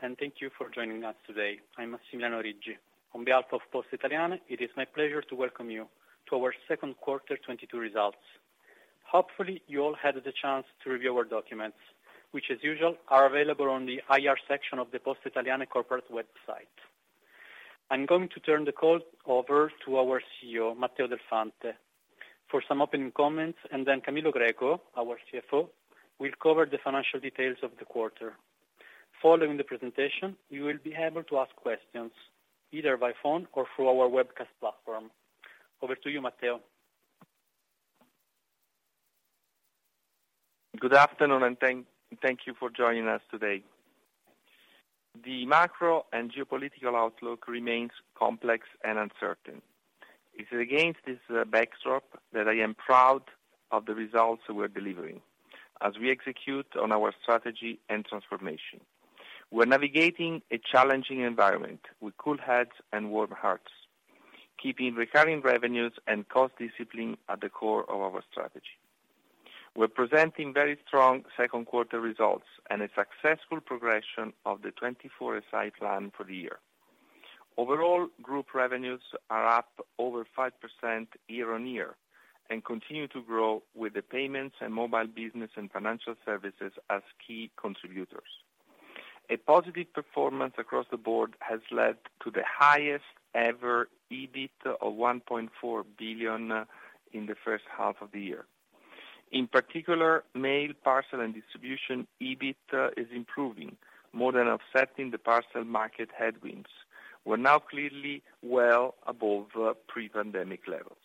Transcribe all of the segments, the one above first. Thank you for joining us today. I'm Massimiliano Riggi. On behalf of Poste Italiane, it is my pleasure to welcome you to our second quarter 2022 on the IR section of the Poste Italiane corporate website. I'm going to turn the call over to our CEO, Matteo Del Fante, for some opening comments, and then Camillo Greco, our CFO, will cover the financial details of the quarter. Following the presentation, you will be able to ask questions either by phone or through our webcast platform. Over to you, Matteo. Good afternoon, and thank you for joining us today. The macro and geopolitical outlook remains complex and uncertain. It's against this backdrop that I am proud of the results we're delivering as we execute on our strategy and transformation. We're navigating a challenging environment with cool heads and warm hearts, keeping recurring revenues and cost discipline at the core of our strategy. We're presenting very strong second quarter results and a successful progression of the 24SI plan for the year. Overall, group revenues are up over 5% year-over-year and continue to grow with the payments and mobile business and financial services as key contributors. A positive performance across the board has led to the highest ever EBIT of 1.4 billion in the first half of the year. In particular, mail, parcel and distribution EBIT is improving, more than offsetting the parcel market headwinds. We're now clearly well above pre-pandemic levels.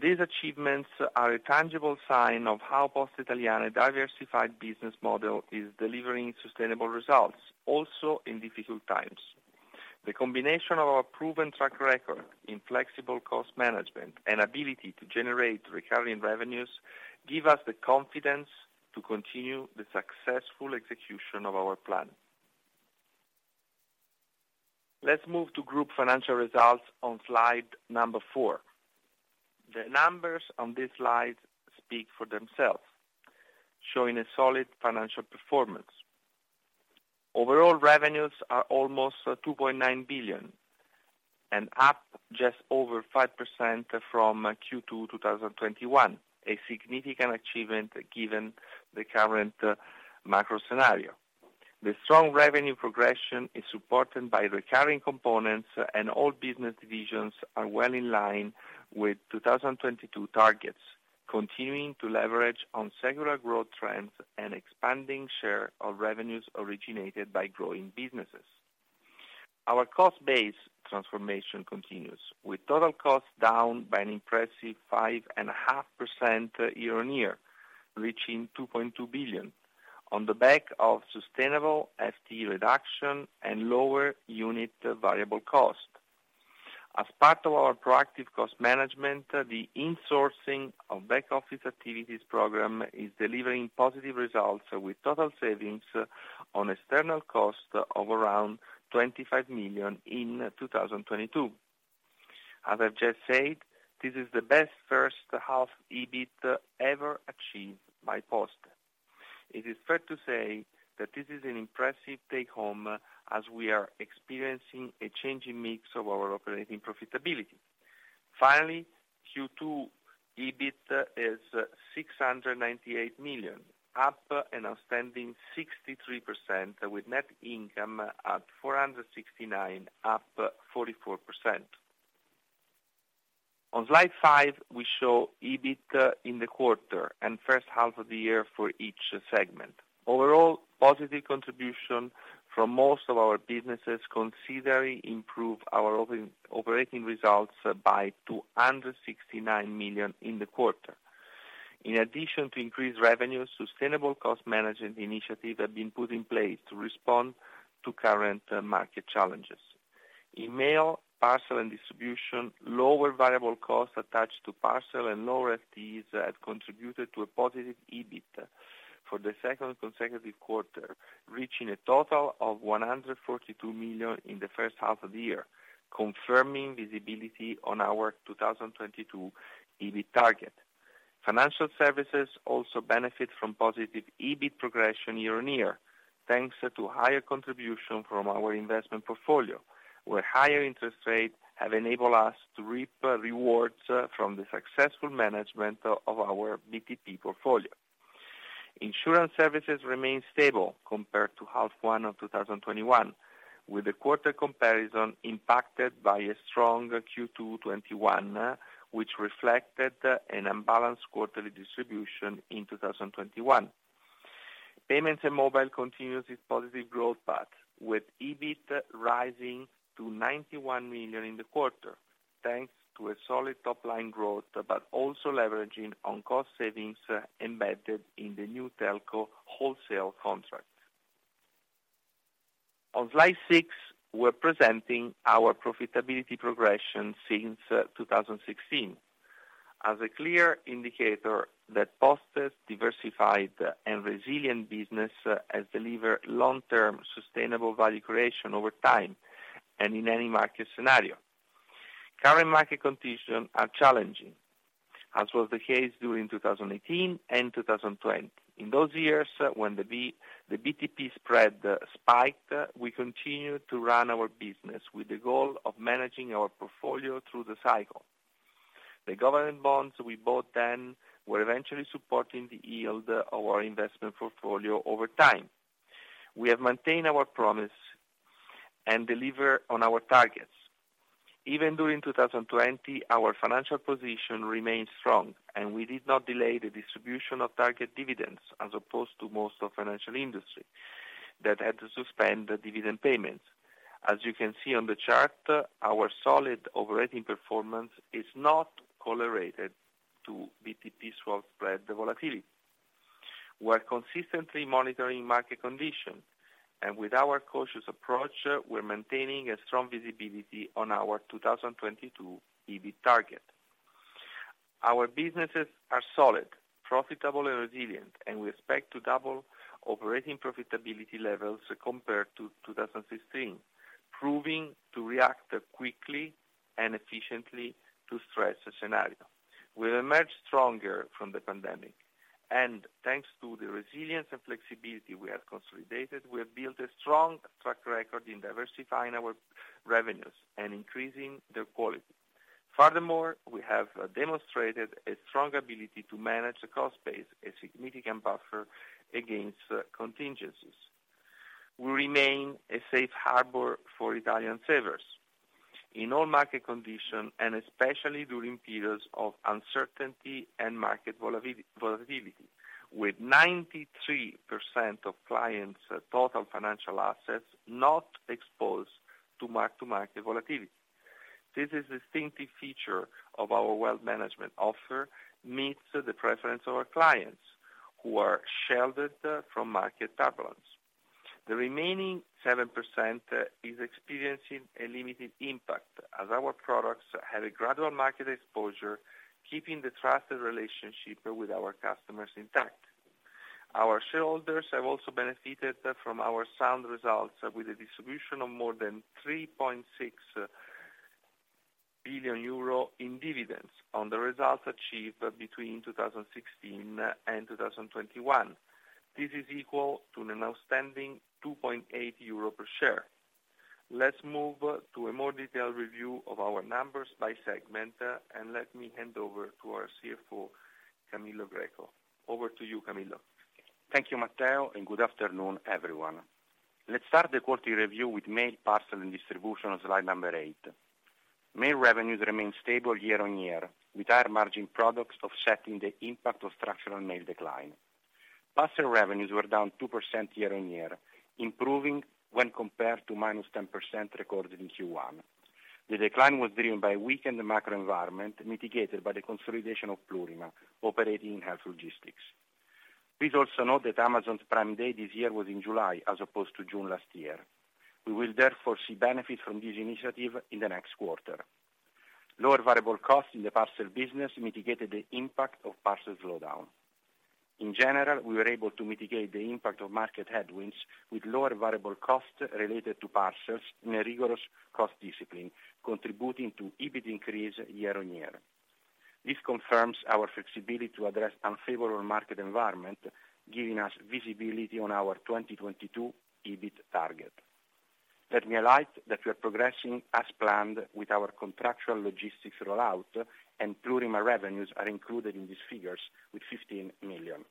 These achievements are a tangible sign of how Poste Italiane diversified business model is delivering sustainable results also in difficult times. The combination of our proven track record in flexible cost management and ability to generate recurring revenues give us the confidence to continue the successful execution of our plan. Let's move to group financial results on slide number four. The numbers on this slide speak for themselves, showing a solid financial performance. Overall revenues are almost 2.9 billion and up just over 5% from Q2 2021, a significant achievement given the current macro scenario. The strong revenue progression is supported by recurring components, and all business divisions are well in line with 2022 targets, continuing to leverage on secular growth trends and expanding share of revenues originated by growing businesses. Our cost base transformation continues, with total costs down by an impressive 5.5% year-over-year, reaching 2.2 billion on the back of sustainable FTE reduction and lower unit variable cost. As part of our proactive cost management, the insourcing of back office activities program is delivering positive results with total savings on external cost of around 25 million in 2022. As I've just said, this is the best first half EBIT ever achieved by Post. It is fair to say that this is an impressive take home as we are experiencing a changing mix of our operating profitability. Finally, Q2 EBIT is 698 million, up an outstanding 63% with net income at 469 million, up 44%. On slide 5, we show EBIT in the quarter and first half of the year for each segment. Overall, positive contribution from most of our businesses considerably improve our operating results by 269 million in the quarter. In addition to increased revenue, sustainable cost management initiatives have been put in place to respond to current market challenges. In mail, parcel, and distribution, lower variable costs attached to parcel and lower FTEs have contributed to a positive EBIT for the second consecutive quarter, reaching a total of 142 million in the first half of the year, confirming visibility on our 2022 EBIT target. Financial services also benefit from positive EBIT progression year-over-year, thanks to higher contribution from our investment portfolio, where higher interest rates have enabled us to reap rewards from the successful management of our BTP portfolio. Insurance services remain stable compared to H1 2021, with the quarter comparison impacted by a strong Q2 2021, which reflected an unbalanced quarterly distribution in 2021. Payments and mobile continues its positive growth path, with EBIT rising to 91 million in the quarter, thanks to a solid top line growth, but also leveraging on cost savings embedded in the new telco wholesale contract. On slide six, we're presenting our profitability progression since 2016 as a clear indicator that Poste's diversified and resilient business has delivered long-term sustainable value creation over time and in any market scenario. Current market conditions are challenging, as was the case during 2018 and 2020. In those years when the BTP spread spiked, we continued to run our business with the goal of managing our portfolio through the cycle. The government bonds we bought then were eventually supporting the yield of our investment portfolio over time. We have maintained our promise and deliver on our targets. Even during 2020, our financial position remained strong, and we did not delay the distribution of target dividends as opposed to most of financial industry that had to suspend the dividend payments. As you can see on the chart, our solid operating performance is not correlated to BTP-swap spread volatility. We are consistently monitoring market conditions, and with our cautious approach, we're maintaining a strong visibility on our 2022 EBIT target. Our businesses are solid, profitable and resilient, and we expect to double operating profitability levels compared to 2016, proving to react quickly and efficiently to stress scenario. We've emerged stronger from the pandemic, and thanks to the resilience and flexibility we have consolidated, we have built a strong track record in diversifying our revenues and increasing their quality. Furthermore, we have demonstrated a strong ability to manage the cost base, a significant buffer against contingencies. We remain a safe harbor for Italian savers in all market conditions, and especially during periods of uncertainty and market volatility, with 93% of clients' total financial assets not exposed to mark-to-market volatility. This distinctive feature of our wealth management offer meets the preference of our clients who are sheltered from market turbulence. The remaining 7% is experiencing a limited impact as our products have a gradual market exposure, keeping the trusted relationship with our customers intact. Our shareholders have also benefited from our sound results with a distribution of more than 3.6 billion euro in dividends on the results achieved between 2016 and 2021. This is equal to an outstanding 2.8 euro per share. Let's move to a more detailed review of our numbers by segment, and let me hand over to our CFO, Camillo Greco. Over to you, Camillo. Thank you, Matteo, and good afternoon, everyone. Let's start the quality review with mail, parcel and distribution on slide number 8. Mail revenues remain stable year-on-year, with higher margin products offsetting the impact of structural mail decline. Parcel revenues were down 2% year-on-year, improving when compared to -10% recorded in Q1. The decline was driven by weakened macro environment, mitigated by the consolidation of Plurima operating in health logistics. Please also note that Amazon's Prime Day this year was in July as opposed to June last year. We will therefore see benefit from this initiative in the next quarter. Lower variable costs in the parcel business mitigated the impact of parcels slowdown. In general, we were able to mitigate the impact of market headwinds with lower variable costs related to parcels and a rigorous cost discipline, contributing to EBIT increase year-on-year. This confirms our flexibility to address unfavorable market environment, giving us visibility on our 2022 EBIT target. Let me highlight that we are progressing as planned with our contractual logistics rollout and Plurima revenues are included in these figures with 15 million.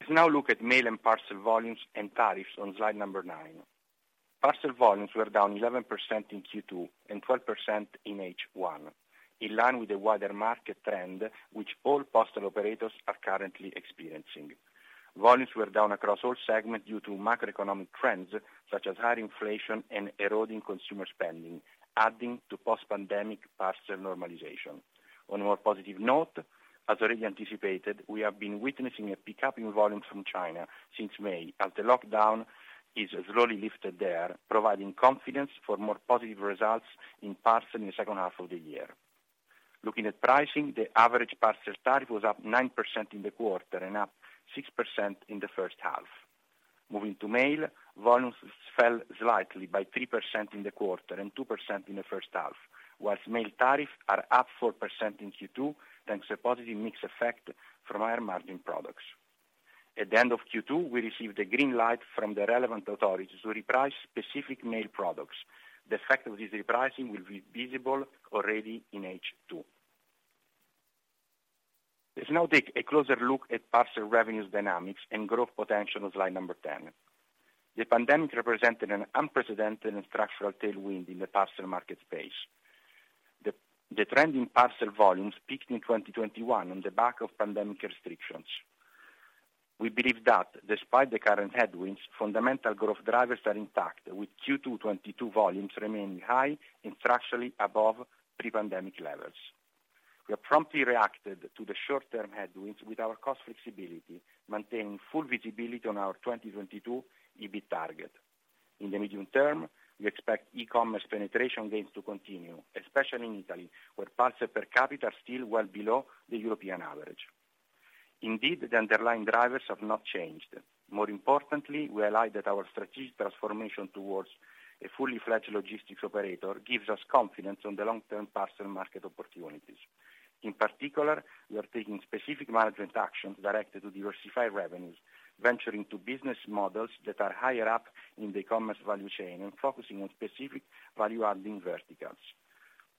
Let's now look at mail and parcel volumes and tariffs on slide number 9. Parcel volumes were down 11% in Q2 and 12% in H1, in line with the wider market trend which all postal operators are currently experiencing. Volumes were down across all segments due to macroeconomic trends such as higher inflation and eroding consumer spending, adding to post-pandemic parcel normalization. On a more positive note, as already anticipated, we have been witnessing a pickup in volumes from China since May, as the lockdown is slowly lifted there, providing confidence for more positive results in parcel in the second half of the year. Looking at pricing, the average parcel tariff was up 9% in the quarter and up 6% in the first half. Moving to mail, volumes fell slightly by 3% in the quarter and 2% in the first half, while mail tariffs are up 4% in Q2, thanks to a positive mix effect from higher margin products. At the end of Q2, we received a green light from the relevant authorities to reprice specific mail products. The effect of this repricing will be visible already in H2. Let's now take a closer look at parcel revenues dynamics and growth potential on slide number 10. The pandemic represented an unprecedented and structural tailwind in the parcel market space. The trend in parcel volumes peaked in 2021 on the back of pandemic restrictions. We believe that despite the current headwinds, fundamental growth drivers are intact, with Q2 2022 volumes remaining high and structurally above pre-pandemic levels. We have promptly reacted to the short-term headwinds with our cost flexibility, maintaining full visibility on our 2022 EBIT target. In the medium term, we expect e-commerce penetration gains to continue, especially in Italy, where parcel per capita are still well below the European average. Indeed, the underlying drivers have not changed. More importantly, we align that our strategic transformation towards a fully fledged logistics operator gives us confidence on the long term parcel market opportunities. In particular, we are taking specific management actions directed to diversify revenues, venturing to business models that are higher up in the commerce value chain and focusing on specific value adding verticals.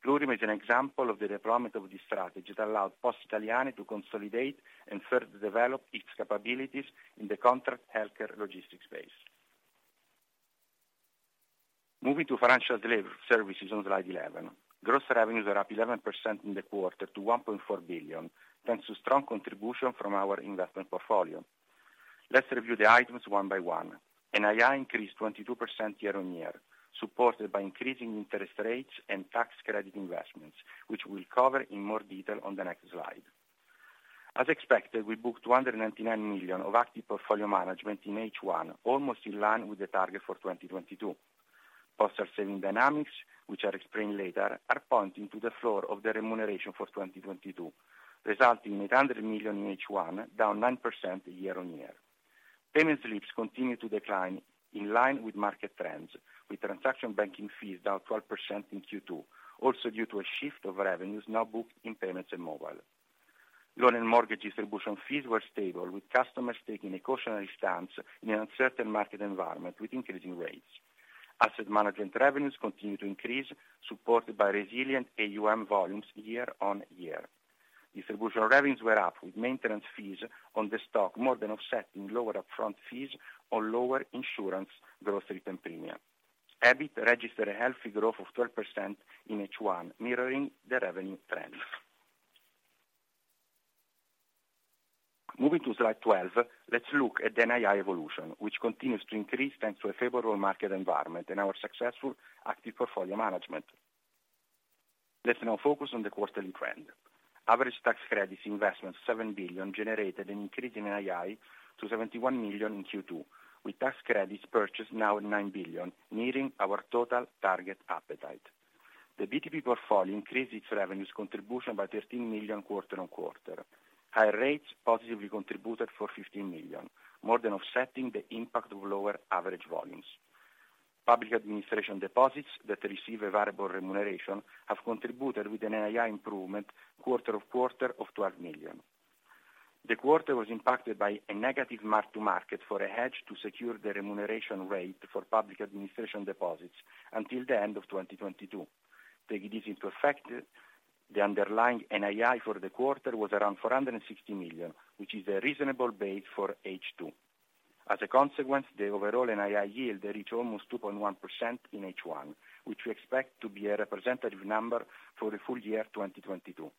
Plurima is an example of the deployment of this strategy that allowed Poste Italiane to consolidate and further develop its capabilities in the contract healthcare logistics space. Moving to financial and delivery services on slide 11. Gross revenues are up 11% in the quarter to 1.4 billion, thanks to strong contribution from our investment portfolio. Let's review the items one by one. NII increased 22% year on year, supported by increasing interest rates and tax credit investments, which we'll cover in more detail on the next slide. As expected, we booked 299 million of active portfolio management in H1, almost in line with the target for 2022. Postal savings dynamics, which I'll explain later, are pointing to the floor of the remuneration for 2022, resulting in 800 million in H1, down 9% year on year. Payment slips continue to decline in line with market trends, with transaction banking fees down 12% in Q2, also due to a shift of revenues now booked in payments and mobile. Loan and mortgage distribution fees were stable, with customers taking a cautionary stance in an uncertain market environment with increasing rates. Asset management revenues continue to increase, supported by resilient AUM volumes year-on-year. Distribution revenues were up with maintenance fees on the stock, more than offsetting lower upfront fees or lower insurance gross written premium. EBIT registered a healthy growth of 12% in H1, mirroring the revenue trend. Moving to slide 12, let's look at NII evolution, which continues to increase thanks to a favorable market environment and our successful active portfolio management. Let's now focus on the quarterly trend. Average tax credits investment 7 billion generated an increase in NII to 71 million in Q2, with tax credits purchased now at 9 billion, nearing our total target appetite. The BTP portfolio increased its revenues contribution by 13 million quarter-on-quarter. Higher rates positively contributed for 15 million, more than offsetting the impact of lower average volumes. Public administration deposits that receive a variable remuneration have contributed with an NII improvement quarter-on-quarter of 12 million. The quarter was impacted by a negative mark to market for a hedge to secure the remuneration rate for public administration deposits until the end of 2022. Taking this into effect, the underlying NII for the quarter was around 460 million, which is a reasonable base for H2. As a consequence, the overall NII yield reached almost 2.1% in H1, which we expect to be a representative number for the full year 2022.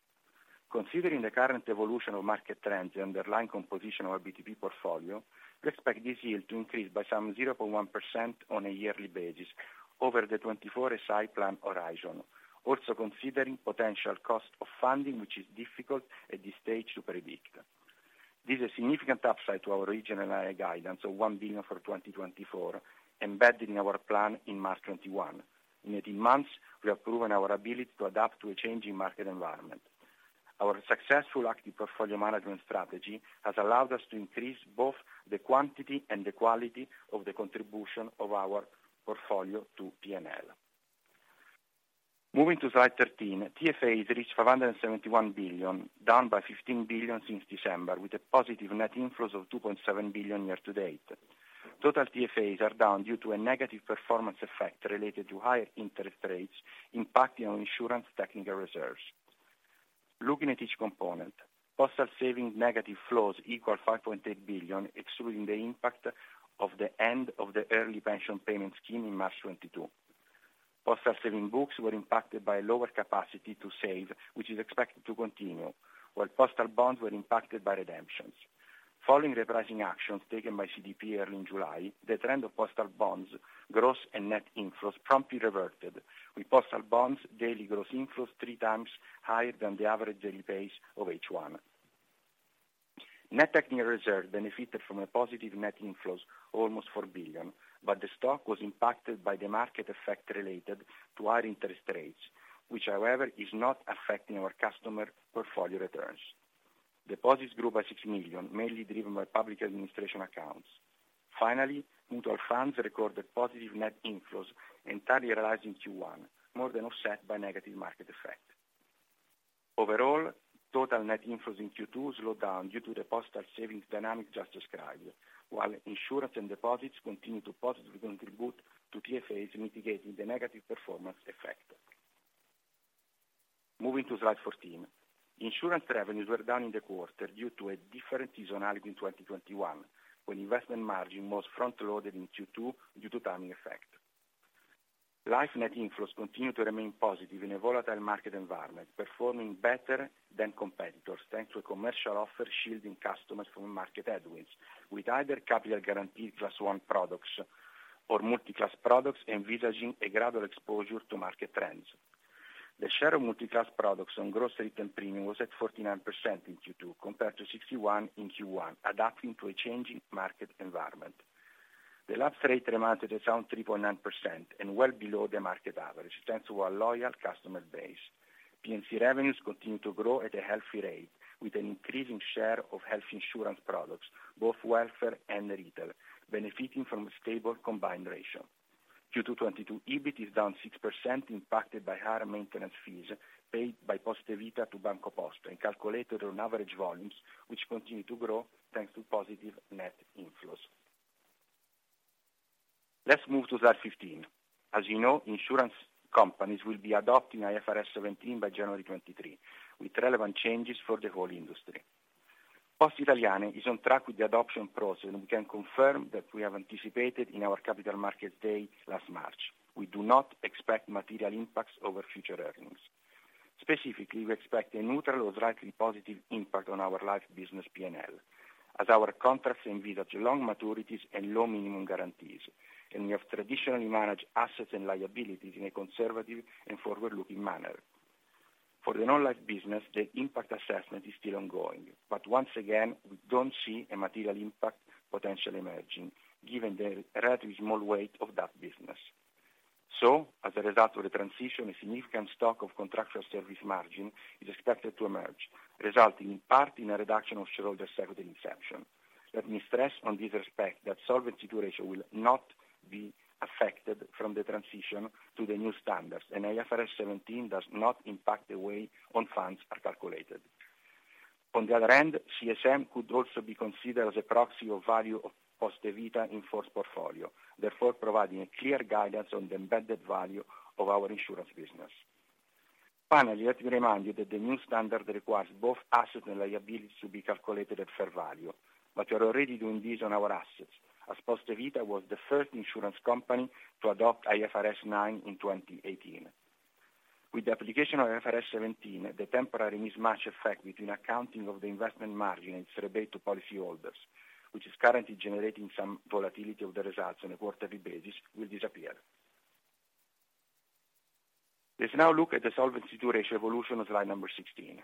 Considering the current evolution of market trends, the underlying composition of our BTP portfolio, we expect this yield to increase by some 0.1% on a yearly basis over the 24SI plan horizon. Also considering potential cost of funding, which is difficult at this stage to predict. This is a significant upside to our original NII guidance of 1 billion for 2024 embedded in our plan in March 2021. In 18 months, we have proven our ability to adapt to a changing market environment. Our successful active portfolio management strategy has allowed us to increase both the quantity and the quality of the contribution of our portfolio to P&L. Moving to slide 13, TFAs reached 571 billion, down by 15 billion since December, with positive net inflows of 2.7 billion year to date. Total TFAs are down due to a negative performance effect related to higher interest rates impacting on insurance technical reserves. Looking at each component, postal savings negative flows equaled 5.8 billion, excluding the impact of the end of the early pension payment scheme in March 2022. Postal savings books were impacted by lower capacity to save, which is expected to continue, while postal bonds were impacted by redemptions. Following the pricing actions taken by CDP early in July, the trend of postal bonds, gross and net inflows promptly reverted with postal bonds daily gross inflows three times higher than the average daily pace of H1. Net technical reserve benefited from positive net inflows of almost 4 billion, but the stock was impacted by the market effect related to higher interest rates, which, however, is not affecting our customer portfolio returns. Deposits grew by 6 million, mainly driven by public administration accounts. Finally, mutual funds recorded positive net inflows entirely realized in Q1, more than offset by negative market effect. Overall, total net inflows in Q2 slowed down due to the postal savings dynamic just described, while insurance and deposits continued to positively contribute to TFAs, mitigating the negative performance effect. Moving to slide 14. Insurance revenues were down in the quarter due to a different seasonality in 2021, when investment margin was front loaded in Q2 due to timing effect. Life net inflows continued to remain positive in a volatile market environment, performing better than competitors, thanks to a commercial offer shielding customers from market headwinds with either capital guaranteed class one products or multi-class products envisaging a gradual exposure to market trends. The share of multi-class products on gross written premium was at 49% in Q2 compared to 61% in Q1, adapting to a changing market environment. The lapse rate remained at a sound 3.9% and well below the market average, thanks to our loyal customer base. P&C revenues continue to grow at a healthy rate with an increasing share of health insurance products, both welfare and retail, benefiting from a stable combined ratio. Q2 2022 EBIT is down 6% impacted by higher maintenance fees paid by Poste Vita to BancoPosta and calculated on average volumes, which continue to grow thanks to positive net inflows. Let's move to slide 15. As you know, insurance companies will be adopting IFRS 17 by January 2023, with relevant changes for the whole industry. Poste Italiane is on track with the adoption process, and we can confirm that we have anticipated in our capital markets day last March. We do not expect material impacts over future earnings. Specifically, we expect a neutral or slightly positive impact on our life business P&L, as our contracts envisage long maturities and low minimum guarantees, and we have traditionally managed assets and liabilities in a conservative and forward-looking manner. For the non-life business, the impact assessment is still ongoing, but once again, we don't see a material impact potentially emerging given the relatively small weight of that business. As a result of the transition, a significant stock of contractual service margin is expected to emerge, resulting in part in a reduction of shareholder equity at inception. Let me stress in this respect that solvency ratio will not be affected by the transition to the new standards, and IFRS 17 does not impact the way own funds are calculated. On the other hand, CSM could also be considered as a proxy for the value of Poste Vita in force portfolio, therefore providing a clear guidance on the embedded value of our insurance business. Finally, let me remind you that the new standard requires both assets and liabilities to be calculated at fair value. We are already doing this on our assets, as Poste Vita was the first insurance company to adopt IFRS 9 in 2018. With the application of IFRS 17, the temporary mismatch effect between accounting of the investment margin and its rebate to policyholders, which is currently generating some volatility of the results on a quarterly basis, will disappear. Let's now look at the solvency ratio evolution on slide number 16.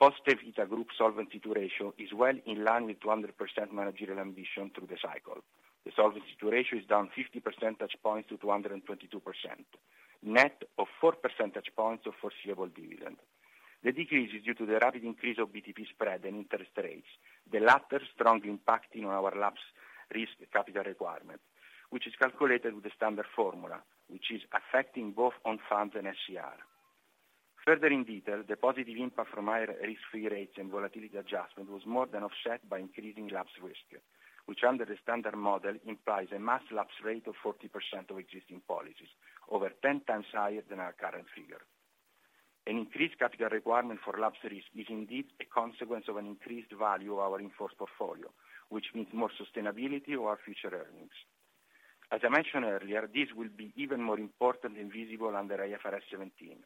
Poste Vita group solvency ratio is well in line with 200% managerial ambition through the cycle. The solvency ratio is down 50 percentage points to 222%, net of 4 percentage points of foreseeable dividend. The decrease is due to the rapid increase of BTP spread and interest rates, the latter strongly impacting on our lapse risk capital requirement, which is calculated with the standard formula, which is affecting both own funds and SCR. Further in detail, the positive impact from higher risk-free rates and volatility adjustment was more than offset by increasing lapse risk, which under the standard model implies a mass lapse rate of 40% of existing policies, over 10 times higher than our current figure. An increased capital requirement for lapse risk is indeed a consequence of an increased value of our in force portfolio, which means more sustainability of our future earnings. As I mentioned earlier, this will be even more important and visible under IFRS 17.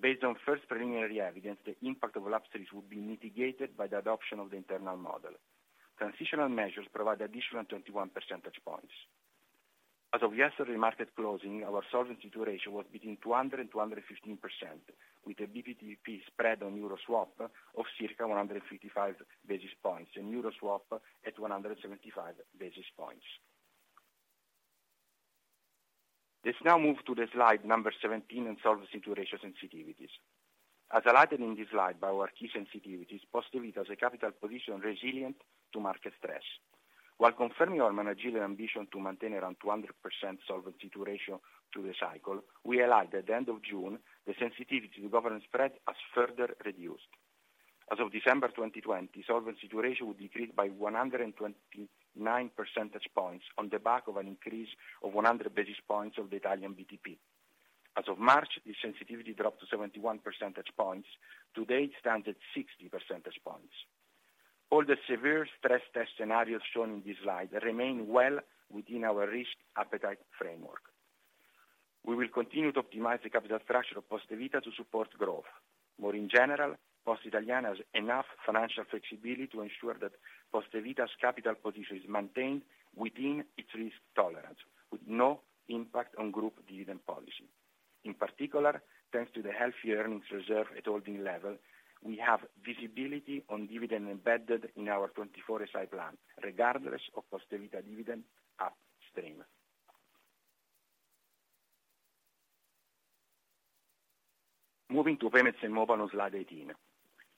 Based on first preliminary evidence, the impact of lapse risk will be mitigated by the adoption of the internal model. Transitional measures provide additional 21 percentage points. As of yesterday market closing, our solvency ratio was between 200% and 215%, with a BTP-swap spread on euro swap of circa 155 basis points and euro swap at 175 basis points. Let's now move to the slide number 17 on solvency ratio sensitivities. As highlighted in this slide by our key sensitivities, Poste Vita has a capital position resilient to market stress. While confirming our managerial ambition to maintain around 200% solvency ratio through the cycle, we highlight at the end of June, the sensitivity to government spread has further reduced. As of December 2020, solvency ratio decreased by 129 percentage points on the back of an increase of 100 basis points of the Italian BTP. As of March, the sensitivity dropped to 71 percentage points. Today, it stands at 60 percentage points. All the severe stress test scenarios shown in this slide remain well within our risk appetite framework. We will continue to optimize the capital structure of Poste Vita to support growth. More in general, Poste Italiane has enough financial flexibility to ensure that Poste Vita's capital position is maintained within its risk tolerance with no impact on group dividend policy. In particular, thanks to the healthy earnings reserve at holding level, we have visibility on dividend embedded in our 24SI plan, regardless of Poste Vita dividend upstream. Moving to payments and mobile on slide 18.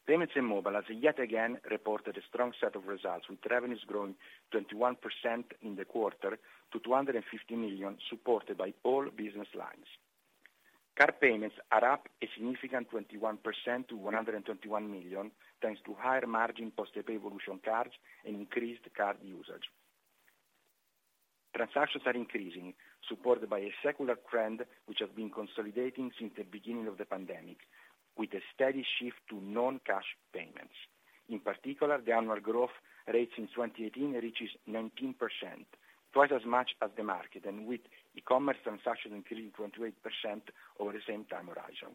Payments and mobile has yet again reported a strong set of results, with revenues growing 21% in the quarter to 250 million, supported by all business lines. Card payments are up a significant 21% to 121 million, thanks to higher margin Postepay Evolution cards and increased card usage. Transactions are increasing, supported by a secular trend which has been consolidating since the beginning of the pandemic with a steady shift to non-cash payments. In particular, the annual growth rates in 2018 reaches 19%, twice as much as the market, and with e-commerce transactions increasing 28% over the same time horizon.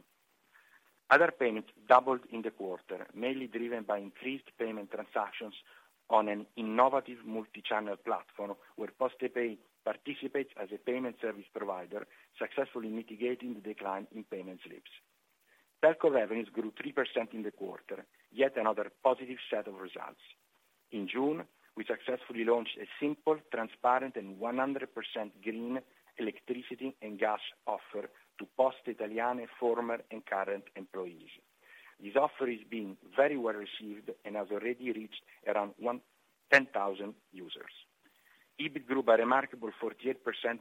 Other payments doubled in the quarter, mainly driven by increased payment transactions on an innovative multi-channel platform where Postepay participates as a payment service provider, successfully mitigating the decline in payment slips. Telco revenues grew 3% in the quarter, yet another positive set of results. In June, we successfully launched a simple, transparent and 100% green electricity and gas offer to Poste Italiane former and current employees. This offer is being very well received and has already reached around 10,000 users. EBIT grew by a remarkable 48%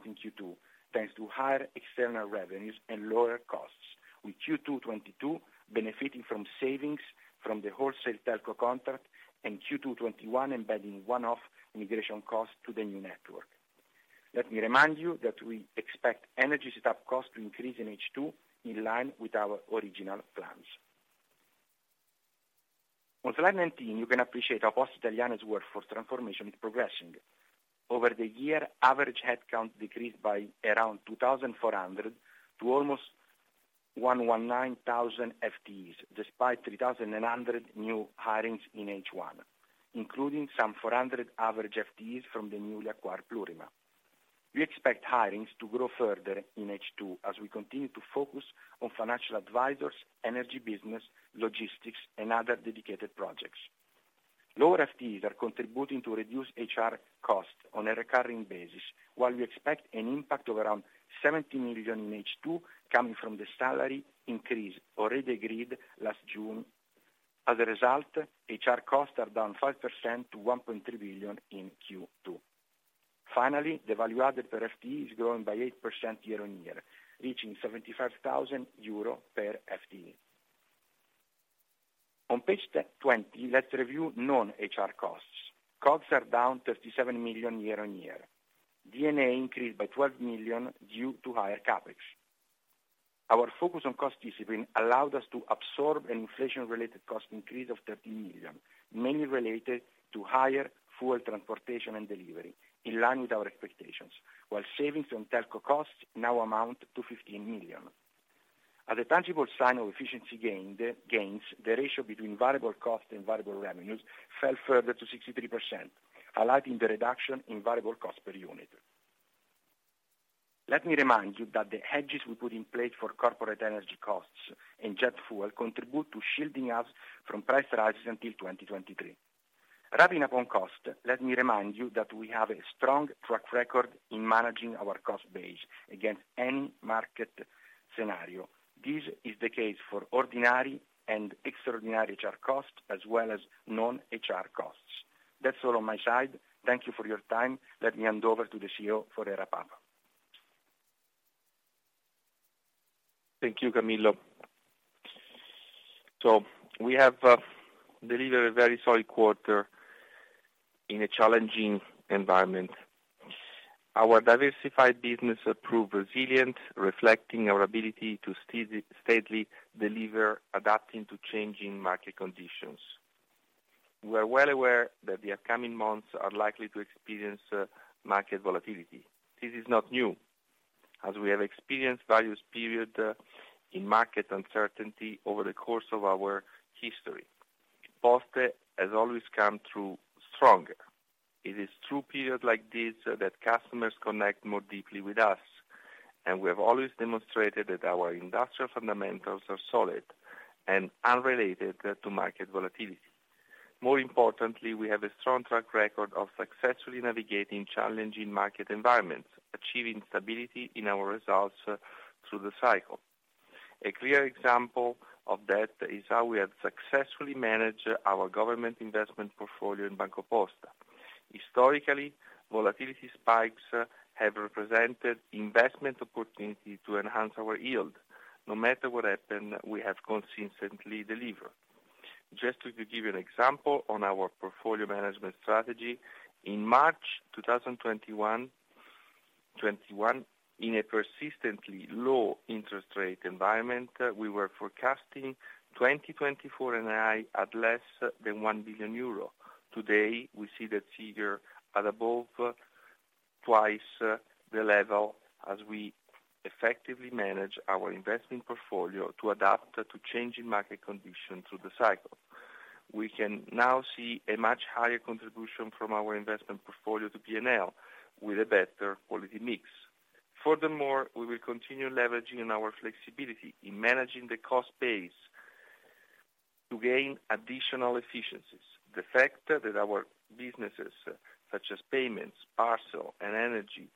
in Q2, thanks to higher external revenues and lower costs, with Q2 2022 benefiting from savings from the wholesale telco contract and Q2 2022 embedding one-off implementation cost to the new network. Let me remind you that we expect energy setup costs to increase in H2 in line with our original plans. On slide 19, you can appreciate how Poste Italiane’s workforce transformation is progressing. Over the year, average headcount decreased by around 2,400 to almost 119,000 FTEs, despite 3,100 new hirings in H1, including some 400 average FTEs from the newly acquired Plurima. We expect hirings to grow further in H2 as we continue to focus on financial advisors, energy business, logistics and other dedicated projects. Lower FTEs are contributing to reduced HR costs on a recurring basis, while we expect an impact of around 70 million in H2 coming from the salary increase already agreed last June. As a result, HR costs are down 5% to 1.3 billion in Q2. Finally, the value added per FTE is growing by 8% year-on-year, reaching 75,000 euro per FTE. On page 20, let's review non-HR costs. Costs are down 37 million year-on-year. D&A increased by 12 million due to higher CapEx. Our focus on cost discipline allowed us to absorb an inflation-related cost increase of 13 million, mainly related to higher fuel transportation and delivery, in line with our expectations, while savings on telco costs now amount to 15 million. As a tangible sign of efficiency gains, the ratio between variable cost and variable revenues fell further to 63%, highlighting the reduction in variable cost per unit. Let me remind you that the hedges we put in place for corporate energy costs and jet fuel contribute to shielding us from price rises until 2023. Wrapping up on cost, let me remind you that we have a strong track record in managing our cost base against any market scenario. This is the case for ordinary and extraordinary HR costs as well as non-HR costs. That's all on my side. Thank you for your time. Let me hand over to the CEO, Matteo Del Fante. Thank you, Camillo. We have delivered a very solid quarter in a challenging environment. Our diversified business proved resilient, reflecting our ability to steadily deliver, adapting to changing market conditions. We are well aware that the upcoming months are likely to experience market volatility. This is not new, as we have experienced various periods in market uncertainty over the course of our history. Poste has always come through stronger. It is through periods like this that customers connect more deeply with us, and we have always demonstrated that our industrial fundamentals are solid and unrelated to market volatility. More importantly, we have a strong track record of successfully navigating challenging market environments, achieving stability in our results through the cycle. A clear example of that is how we have successfully managed our government investment portfolio in BancoPosta. Historically, volatility spikes have represented investment opportunity to enhance our yield. No matter what happened, we have consistently delivered. Just to give you an example on our portfolio management strategy, in March 2021, in a persistently low interest rate environment, we were forecasting 2024 NII at less than 1 billion euro. Today, we see that figure at above twice the level as we effectively manage our investment portfolio to adapt to changing market conditions through the cycle. We can now see a much higher contribution from our investment portfolio to P&L with a better quality mix. Furthermore, we will continue leveraging our flexibility in managing the cost base to gain additional efficiencies. The fact that our businesses, such as payments, parcel and energy,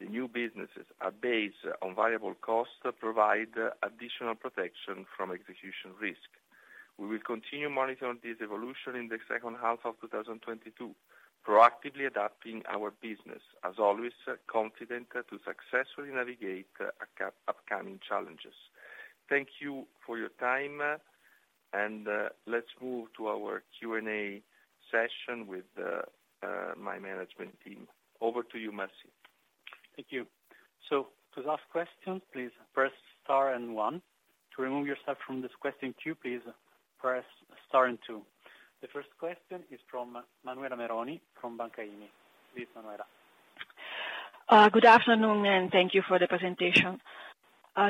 the new businesses, are based on variable costs, provide additional protection from execution risk. We will continue monitoring this evolution in the second half of 2022, proactively adapting our business, as always, confident to successfully navigate upcoming challenges. Thank you for your time, and let's move to our Q&A session with my management team. Over to you, Massimiliano Riggi. Thank you. To ask questions, please press star and one. To remove yourself from this question queue, please press star and two. The first question is from Manuela Meroni from Banca IMI. Please, Manuela. Good afternoon, and thank you for the presentation.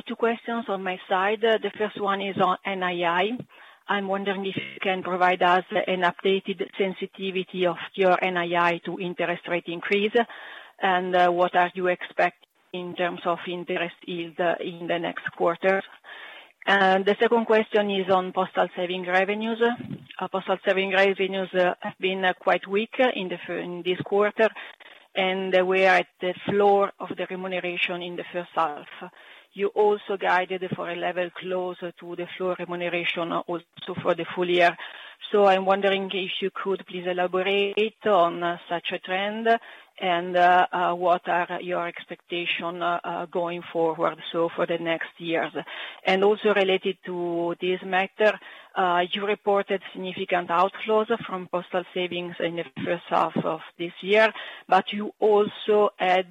Two questions on my side. The first one is on NII. I'm wondering if you can provide us an updated sensitivity of your NII to interest rate increase. What do you expect in terms of interest yield in the next quarter? The second question is on postal savings revenues. Your postal savings revenues have been quite weak in this quarter, and you are at the floor of the remuneration in the first half. You also guided for a level closer to the floor remuneration also for the full year. I'm wondering if you could please elaborate on such a trend and what your expectations are going forward, so for the next years. Also related to this matter, you reported significant outflows from postal savings in the first half of this year, but you also had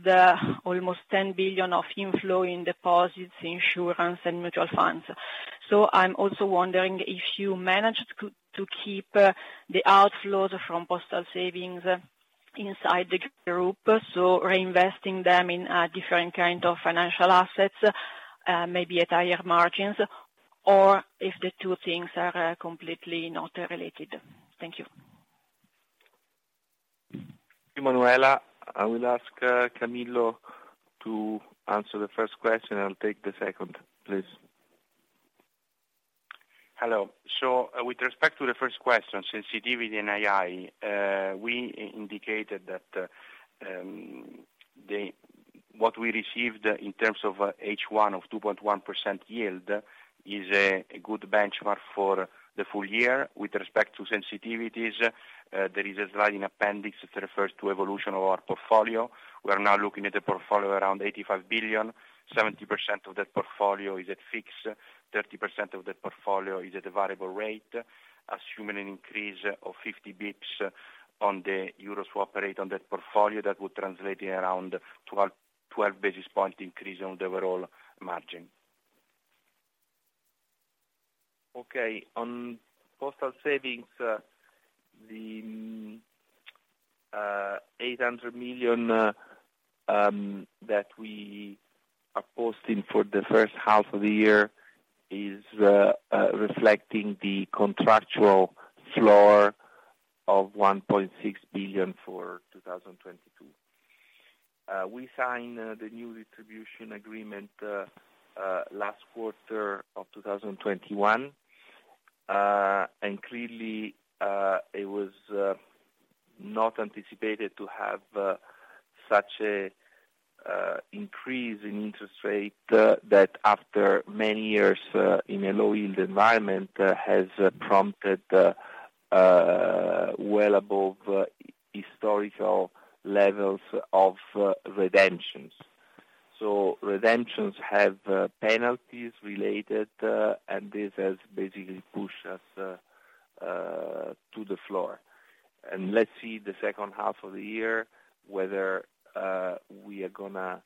almost 10 billion of inflow in deposits, insurance and mutual funds. I'm also wondering if you managed to keep the outflows from postal savings inside the group, so reinvesting them in different kind of financial assets, maybe at higher margins, or if the two things are completely not related. Thank you. Manuela, I will ask Camillo to answer the first question, and I'll take the second, please. Hello. With respect to the first question, sensitivity and NII, we indicated that what we received in terms of H1 of 2.1% yield is a good benchmark for the full year. With respect to sensitivities, there is a slide in appendix that refers to evolution of our portfolio. We are now looking at the portfolio around 85 billion. 70% of that portfolio is at fixed, 30% of that portfolio is at a variable rate, assuming an increase of 50 basis points on the euro swap rate on that portfolio. That would translate in around 12 basis points increase on the overall margin. Okay, on postal savings, the 800 million that we are posting for the first half of the year is reflecting the contractual floor of 1.6 billion for 2022. We signed the new distribution agreement last quarter of 2021, and clearly, it was not anticipated to have such a increase in interest rate that after many years in a low yield environment has prompted well above historical levels of redemptions. Redemptions have penalties related, and this has basically pushed us to the floor. Let's see the second half of the year whether we are gonna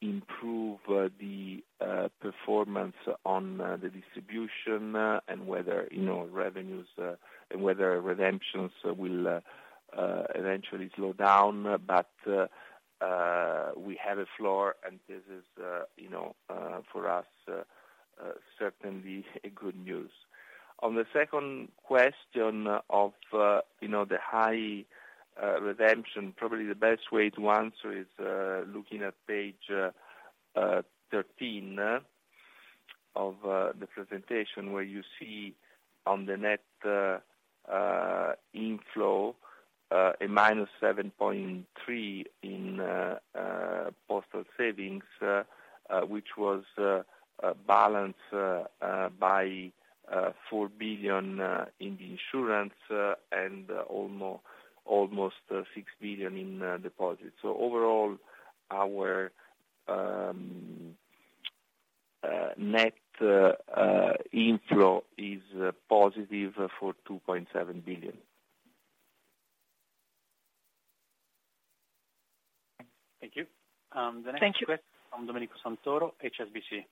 improve the performance on the distribution and whether, you know, revenues and whether redemptions will eventually slow down. We have a floor, and this is, you know, for us certainly good news. On the second question of, you know, the high redemption, probably the best way to answer is looking at page 13 of the presentation, where you see on the net inflow -7.3 billion in postal savings, which was balanced by 4 billion in the insurance and almost 6 billion in deposits. Overall, our net inflow is positive for 2.7 billion. Thank you. The next question. Thank you. From Domenico Santoro, HSBC.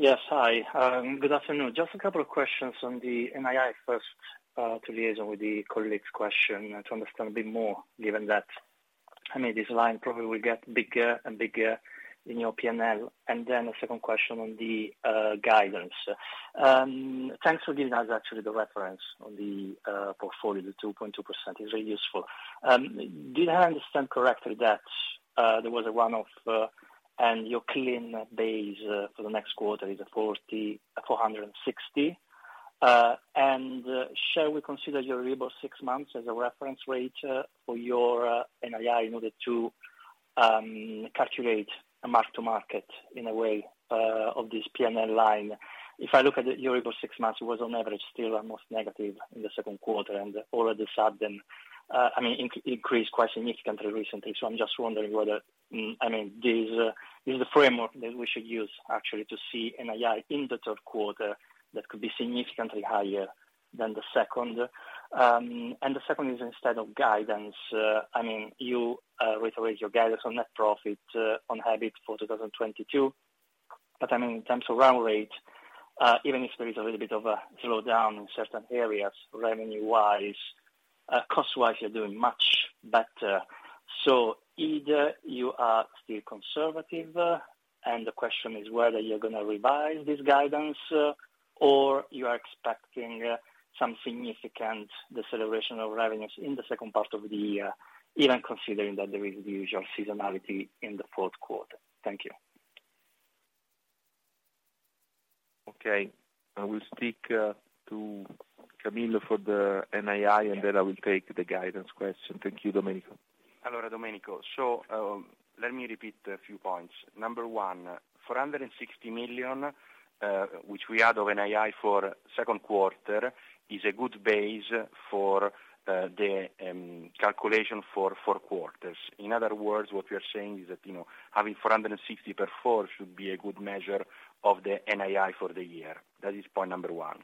Yes. Hi. Good afternoon. Just a couple of questions on the NII first, to liaise with the colleague's question to understand a bit more, given that, I mean, this line probably will get bigger and bigger in your P&L. A second question on the guidance. Thanks for giving us actually the reference on the portfolio. The 2.2% is really useful. Did I understand correctly that there was a one-off, and your clean base for the next quarter is EUR 44,460? Shall we consider your Euribor six months as a reference rate, for your NII in order to calculate a mark-to-market in a way of this P&L line? If I look at Euribor six months, it was on average still almost negative in the second quarter and all of a sudden, increased quite significantly recently. I'm just wondering whether this is the framework that we should use actually to see NII in the third quarter that could be significantly higher than the second. The second is instead of guidance, you reiterate your guidance on net profit on EBIT for 2022. I mean, in terms of run rate, even if there is a little bit of a slowdown in certain areas revenue-wise, cost-wise, you're doing much better. Either you are still conservative, and the question is whether you're gonna revise this guidance, or you are expecting some significant deceleration of revenues in the second part of the year, even considering that there is the usual seasonality in the fourth quarter. Thank you. Okay. I will speak to Camillo for the NII, and then I will take the guidance question. Thank you, Domenico. Allora, Domenico. Let me repeat a few points. Number one, 460 million, which we had of NII for second quarter, is a good base for the calculation for four quarters. In other words, what we are saying is that, you know, having 460 per four should be a good measure of the NII for the year. That is point number one.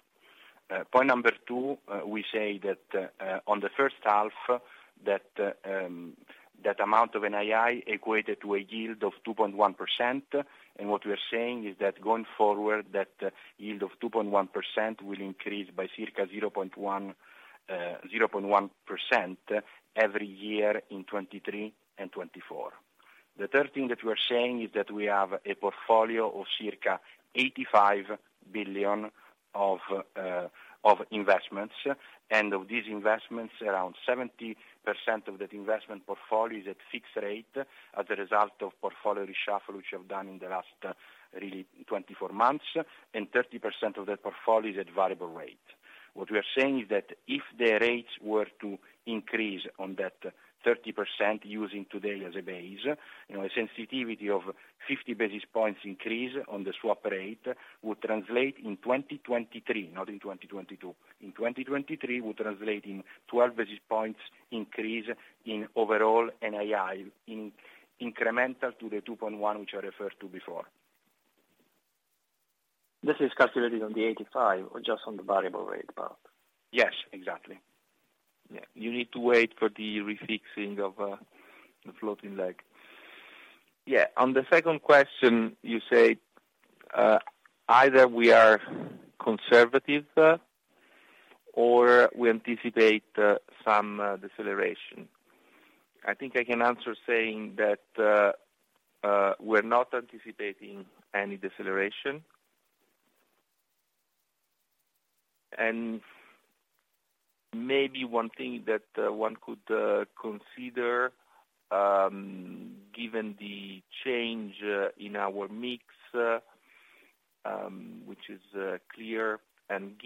Point number two, we say that on the first half that amount of NII equated to a yield of 2.1%, and what we are saying is that going forward, that yield of 2.1% will increase by circa 0.1% every year in 2023 and 2024. The third thing that we are saying is that we have a portfolio of circa 85 billion of investments, and of these investments, around 70% of that investment portfolio is at fixed rate as a result of portfolio reshuffle, which we have done in the last really 24 months, and 30% of that portfolio is at variable rate. What we are saying is that if the rates were to increase on that 30% using today as a base, you know, a sensitivity of 50 basis points increase on the swap rate would translate in 2023, not in 2022. In 2023, would translate in 12 basis points increase in overall NII in incremental to the 2.1 which I referred to before. This is calculated on the 85 or just on the variable rate part? Yes, exactly. You need to wait for the refixing of the floating leg. On the second question, you say either we are conservative or we anticipate some deceleration. I think I can answer saying that we're not anticipating any deceleration. Maybe one thing that one could consider, given the change in our mix, which is clear, and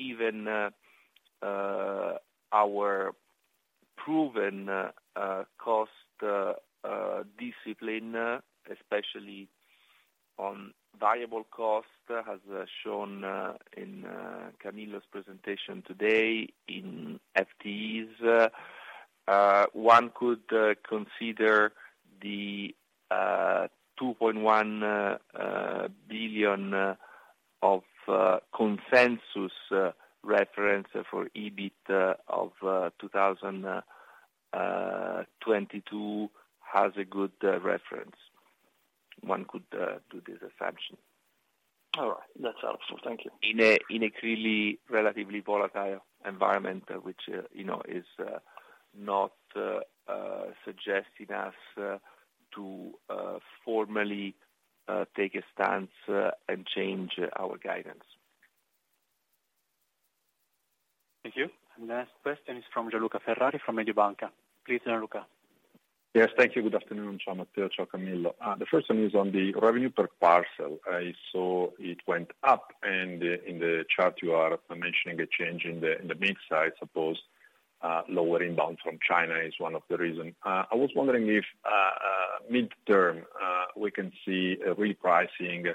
given our proven cost discipline, especially on variable cost, as shown in Camillo's presentation today in FTEs, one could consider the 2.1 billion of consensus reference for EBIT of 2022 has a good reference. One could do this assumption. All right. That's helpful. Thank you. In a clearly relatively volatile environment, which, you know, is not suggesting us to formally take a stance and change our guidance. Thank you. Last question is from Gianluca Ferrari from Mediobanca. Please, Gianluca. Yes, thank you. Good afternoon. Ciao, Matteo. Ciao, Camillo. The first one is on the revenue per parcel. I saw it went up and in the chart you are mentioning a change in the mix. I suppose lower inbound from China is one of the reason. I was wondering if midterm we can see a repricing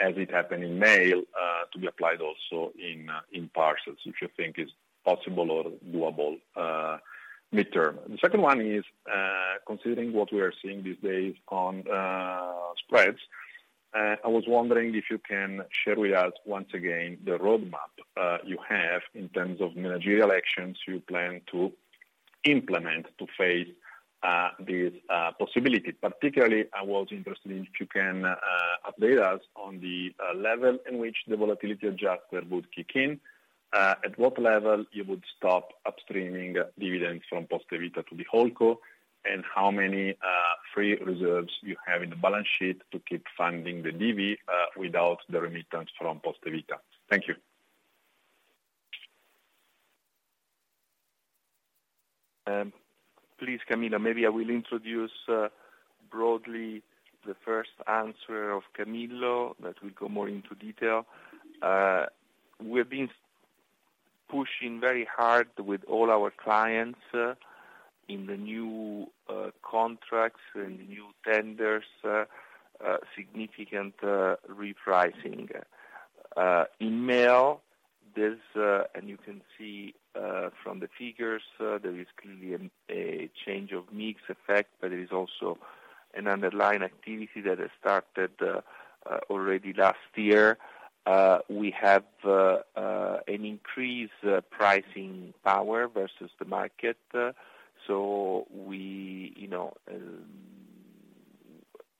as it happened in mail to be applied also in parcels, if you think is possible or doable midterm. The second one is considering what we are seeing these days on spreads I was wondering if you can share with us once again the roadmap you have in terms of managerial actions you plan to implement to face this possibility. Particularly, I was interested if you can update us on the level in which the volatility adjustment would kick in, at what level you would stop upstreaming dividends from Poste Vita to the whole co, and how many free reserves you have in the balance sheet to keep funding the DV, without the remittance from Poste Vita. Thank you. Please, Camillo, maybe I will introduce broadly the first answer of Camillo, that we go more into detail. We've been pushing very hard with all our clients in the new contracts, in the new tenders, significant repricing. In mail, there's, and you can see from the figures, there is clearly a change of mix effect, but there is also an underlying activity that has started already last year. We have an increased pricing power versus the market. We, you know,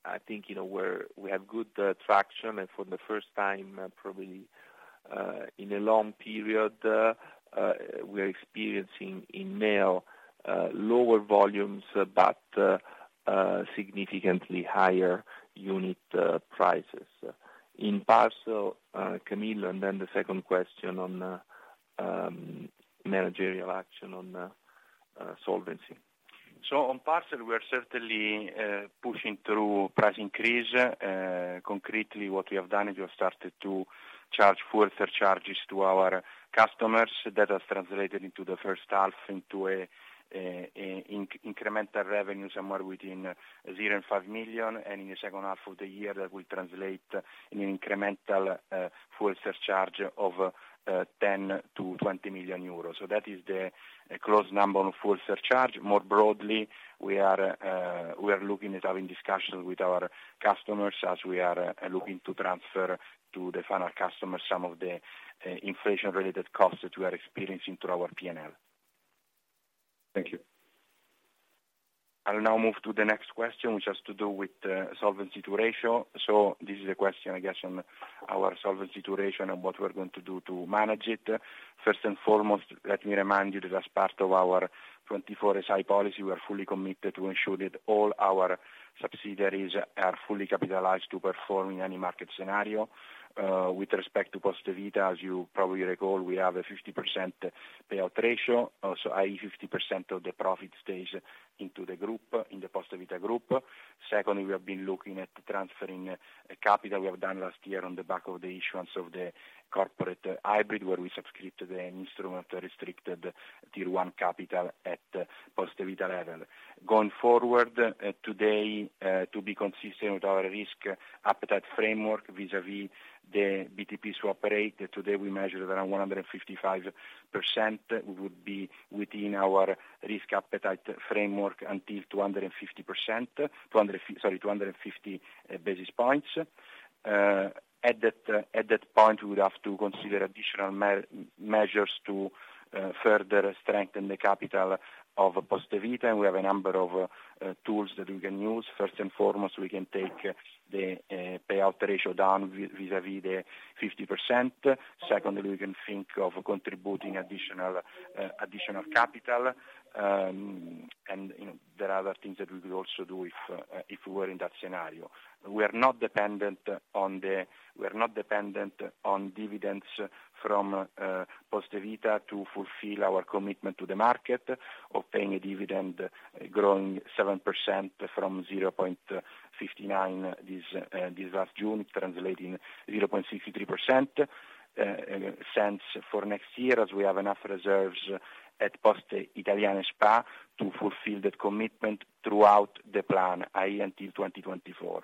I think, you know, we have good traction and for the first time, probably, in a long period, we're experiencing in mail lower volumes but significantly higher unit prices. In parcel, Camillo Greco, and then the second question on managerial action on solvency. On parcel, we are certainly pushing through price increase. Concretely, what we have done is we have started to charge fuel surcharges to our customers. That has translated into the first half into an incremental revenue somewhere within 0-5 million, and in the second half of the year that will translate in an incremental fuel surcharge of 10-20 million euros. That is the close number on fuel surcharge. More broadly, we are looking at having discussions with our customers as we are looking to transfer to the final customer some of the inflation-related costs that we are experiencing through our P&L. Thank you. I'll now move to the next question, which has to do with Solvency II ratio. This is a question, I guess, on our Solvency II ratio and what we are going to do to manage it. First and foremost, let me remind you that as part of our 24SI policy, we are fully committed to ensure that all our subsidiaries are fully capitalized to perform in any market scenario. With respect to Poste Vita, as you probably recall, we have a 50% payout ratio, also i.e., 50% of the profit stays into the group, in the Poste Vita group. Secondly, we have been looking at transferring capital we have done last year on the back of the issuance of the corporate hybrid, where we subscribed to the instrument Restricted Tier 1 capital at Poste Vita level. Going forward, today, to be consistent with our risk appetite framework vis-à-vis the BTP swap rate, today we measured around 155%. We would be within our risk appetite framework until 250 basis points. At that point, we would have to consider additional measures to further strengthen the capital of Poste Vita, and we have a number of tools that we can use. First and foremost, we can take the payout ratio down vis-à-vis the 50%. Secondly, we can think of contributing additional capital. And, you know, there are other things that we could also do if we were in that scenario. We are not dependent on the We are not dependent on dividends from Poste Vita to fulfill our commitment to the market of paying a dividend growing 7% from €0.59 this last June, translating to €0.63 for next year, as we have enough reserves at Poste Italiane S.p.A. to fulfill that commitment throughout the plan, i.e., until 2024.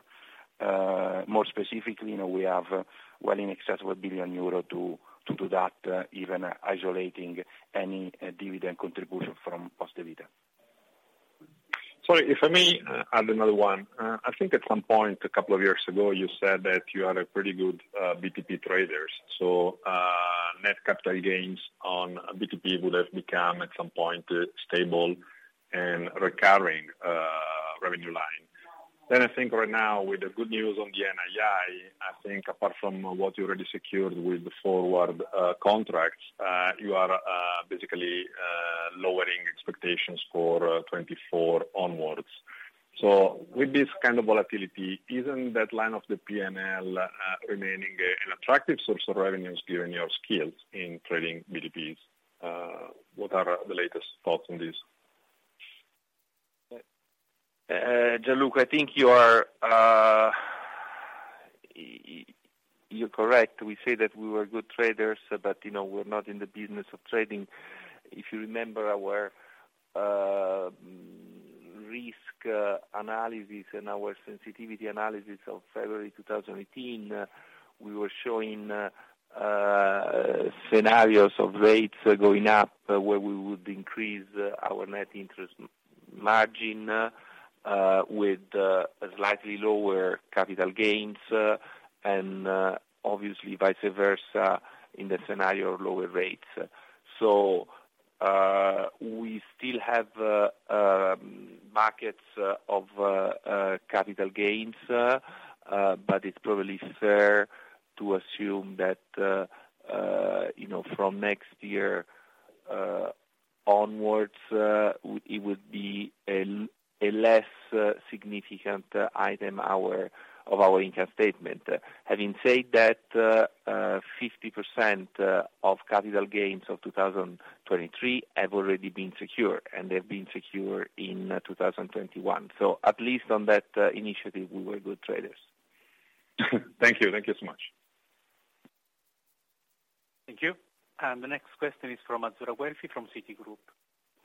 More specifically, you know, we have well in excess of 1 billion euro to do that, even isolating any dividend contribution from Poste Vita. Sorry, if I may add another one. I think at some point a couple of years ago, you said that you are a pretty good BTP traders, so net capital gains on BTP would have become, at some point, a stable and recurring revenue line. I think right now, with the good news on the NII, I think apart from what you already secured with the forward contracts, you are basically lowering expectations for 2024 onwards. With this kind of volatility, isn't that line of the P&L remaining an attractive source of revenue given your skills in trading BTPs? What are the latest thoughts on this? Gian luca, I think you are, you're correct. We say that we were good traders, but, you know, we're not in the business of trading. If you remember our risk analysis and our sensitivity analysis of February 2018, we were showing scenarios of rates going up, where we would increase our net interest margin with a slightly lower capital gains, and obviously vice versa in the scenario of lower rates. We still have markets of capital gains, but it's probably fair to assume that, you know, from next year onwards, it would be less significant item of our income statement. Having said that, 50% of capital gains of 2023 have already been secured, and they've been secured in 2021. At least on that initiative, we were good traders. Thank you. Thank you so much. Thank you. The next question is from Azzurra Guelfi from Citigroup.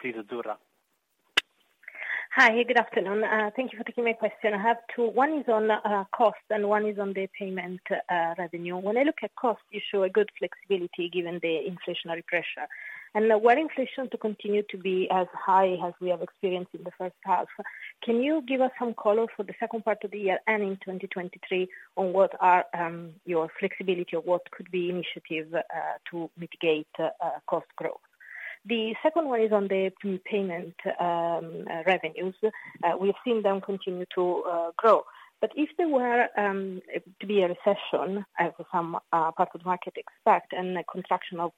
Please, Azzurra. Hi, good afternoon. Thank you for taking my question. I have two. One is on cost and one is on the payment revenue. When I look at cost, you show a good flexibility given the inflationary pressure. Were inflation to continue to be as high as we have experienced in the first half, can you give us some color for the second part of the year and in 2023 on what are your flexibility or what could be initiative to mitigate cost growth? The second one is on the prepaid revenues. We've seen them continue to grow. If there were to be a recession as some parts of market expect and a contraction of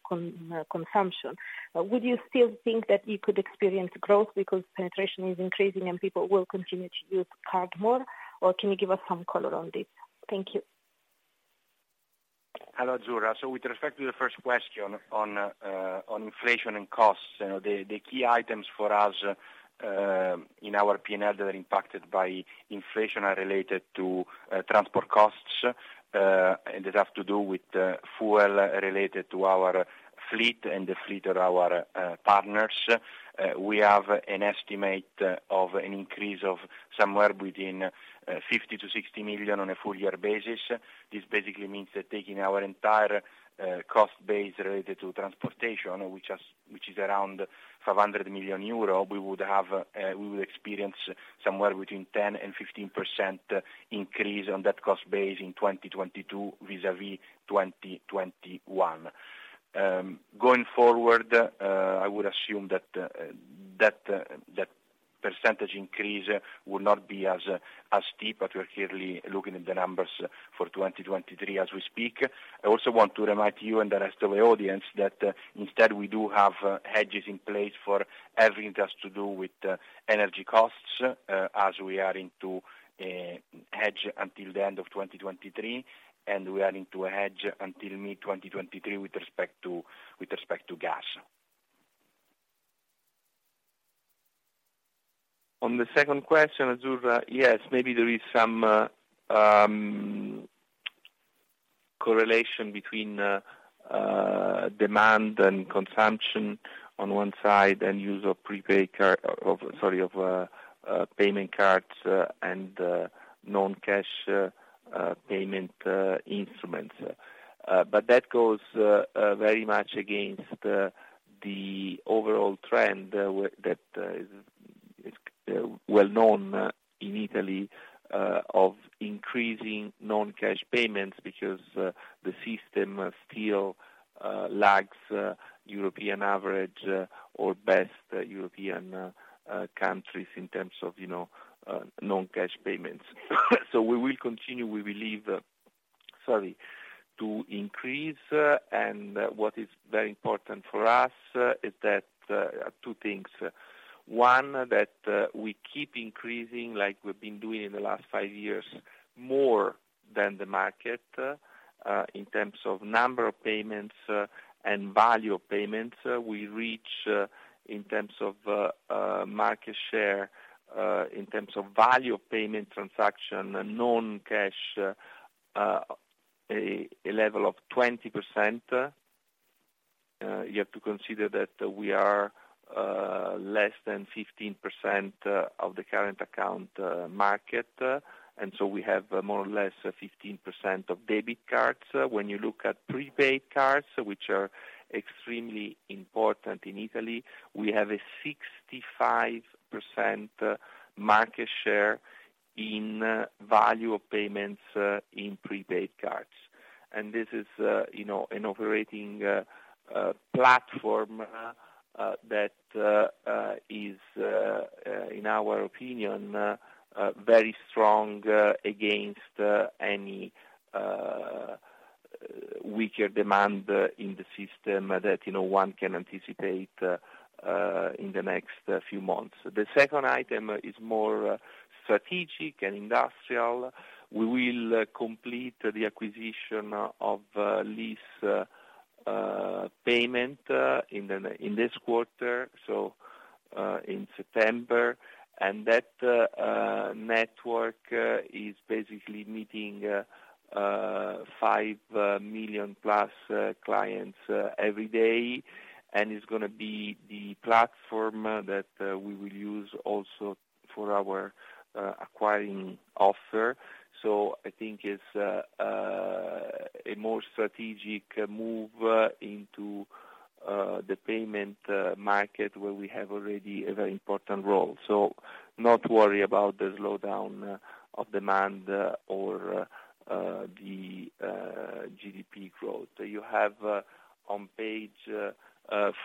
consumption, would you still think that you could experience growth because penetration is increasing and people will continue to use card more? Or can you give us some color on this? Thank you. Hello, Azzurra Guelfi. With respect to the first question on inflation and costs, you know, the key items for us in our P&L that are impacted by inflation are related to transport costs and that have to do with fuel related to our fleet and the fleet of our partners. We have an estimate of an increase of somewhere between 50-60 million on a full year basis. This basically means that taking our entire cost base related to transportation, which is around 500 million euro, we would experience somewhere between 10%-15% increase on that cost base in 2022 vis-à-vis 2021. Going forward, I would assume that percentage increase will not be as steep, but we are clearly looking at the numbers for 2023 as we speak. I also want to remind you and the rest of the audience that, instead, we do have hedges in place for everything that's to do with energy costs, as we are into hedge until the end of 2023, and we are into a hedge until mid-2023 with respect to gas. On the second question, Azzurra, yes, maybe there is some correlation between demand and consumption on one side and use of prepaid card of, sorry, of payment cards and non-cash payment instruments. That goes very much against the overall trend that is well known in Italy of increasing non-cash payments because the system still lags European average or best European countries in terms of, you know, non-cash payments. We will continue, we believe, sorry, to increase. What is very important for us is that two things. One, that we keep increasing like we've been doing in the last five years, more than the market, in terms of number of payments and value of payments. We reach, in terms of market share, in terms of value of payment transaction, non-cash, a level of 20%. You have to consider that we are less than 15% of the current account market, and so we have more or less 15% of debit cards. When you look at prepaid cards, which are extremely important in Italy, we have a 65% market share in value of payments in prepaid cards. This is, you know, an operating platform that is, in our opinion, very strong against any weaker demand in the system that, you know, one can anticipate in the next few months. The second item is more strategic and industrial. We will complete the acquisition of LIS payment in this quarter, so in September. That network is basically meeting 5 million-plus clients every day, and it's gonna be the platform that we will use also for our acquiring offer. I think it's a more strategic move into the payment market where we have already a very important role. Not worry about the slowdown of demand or the GDP growth. You have on page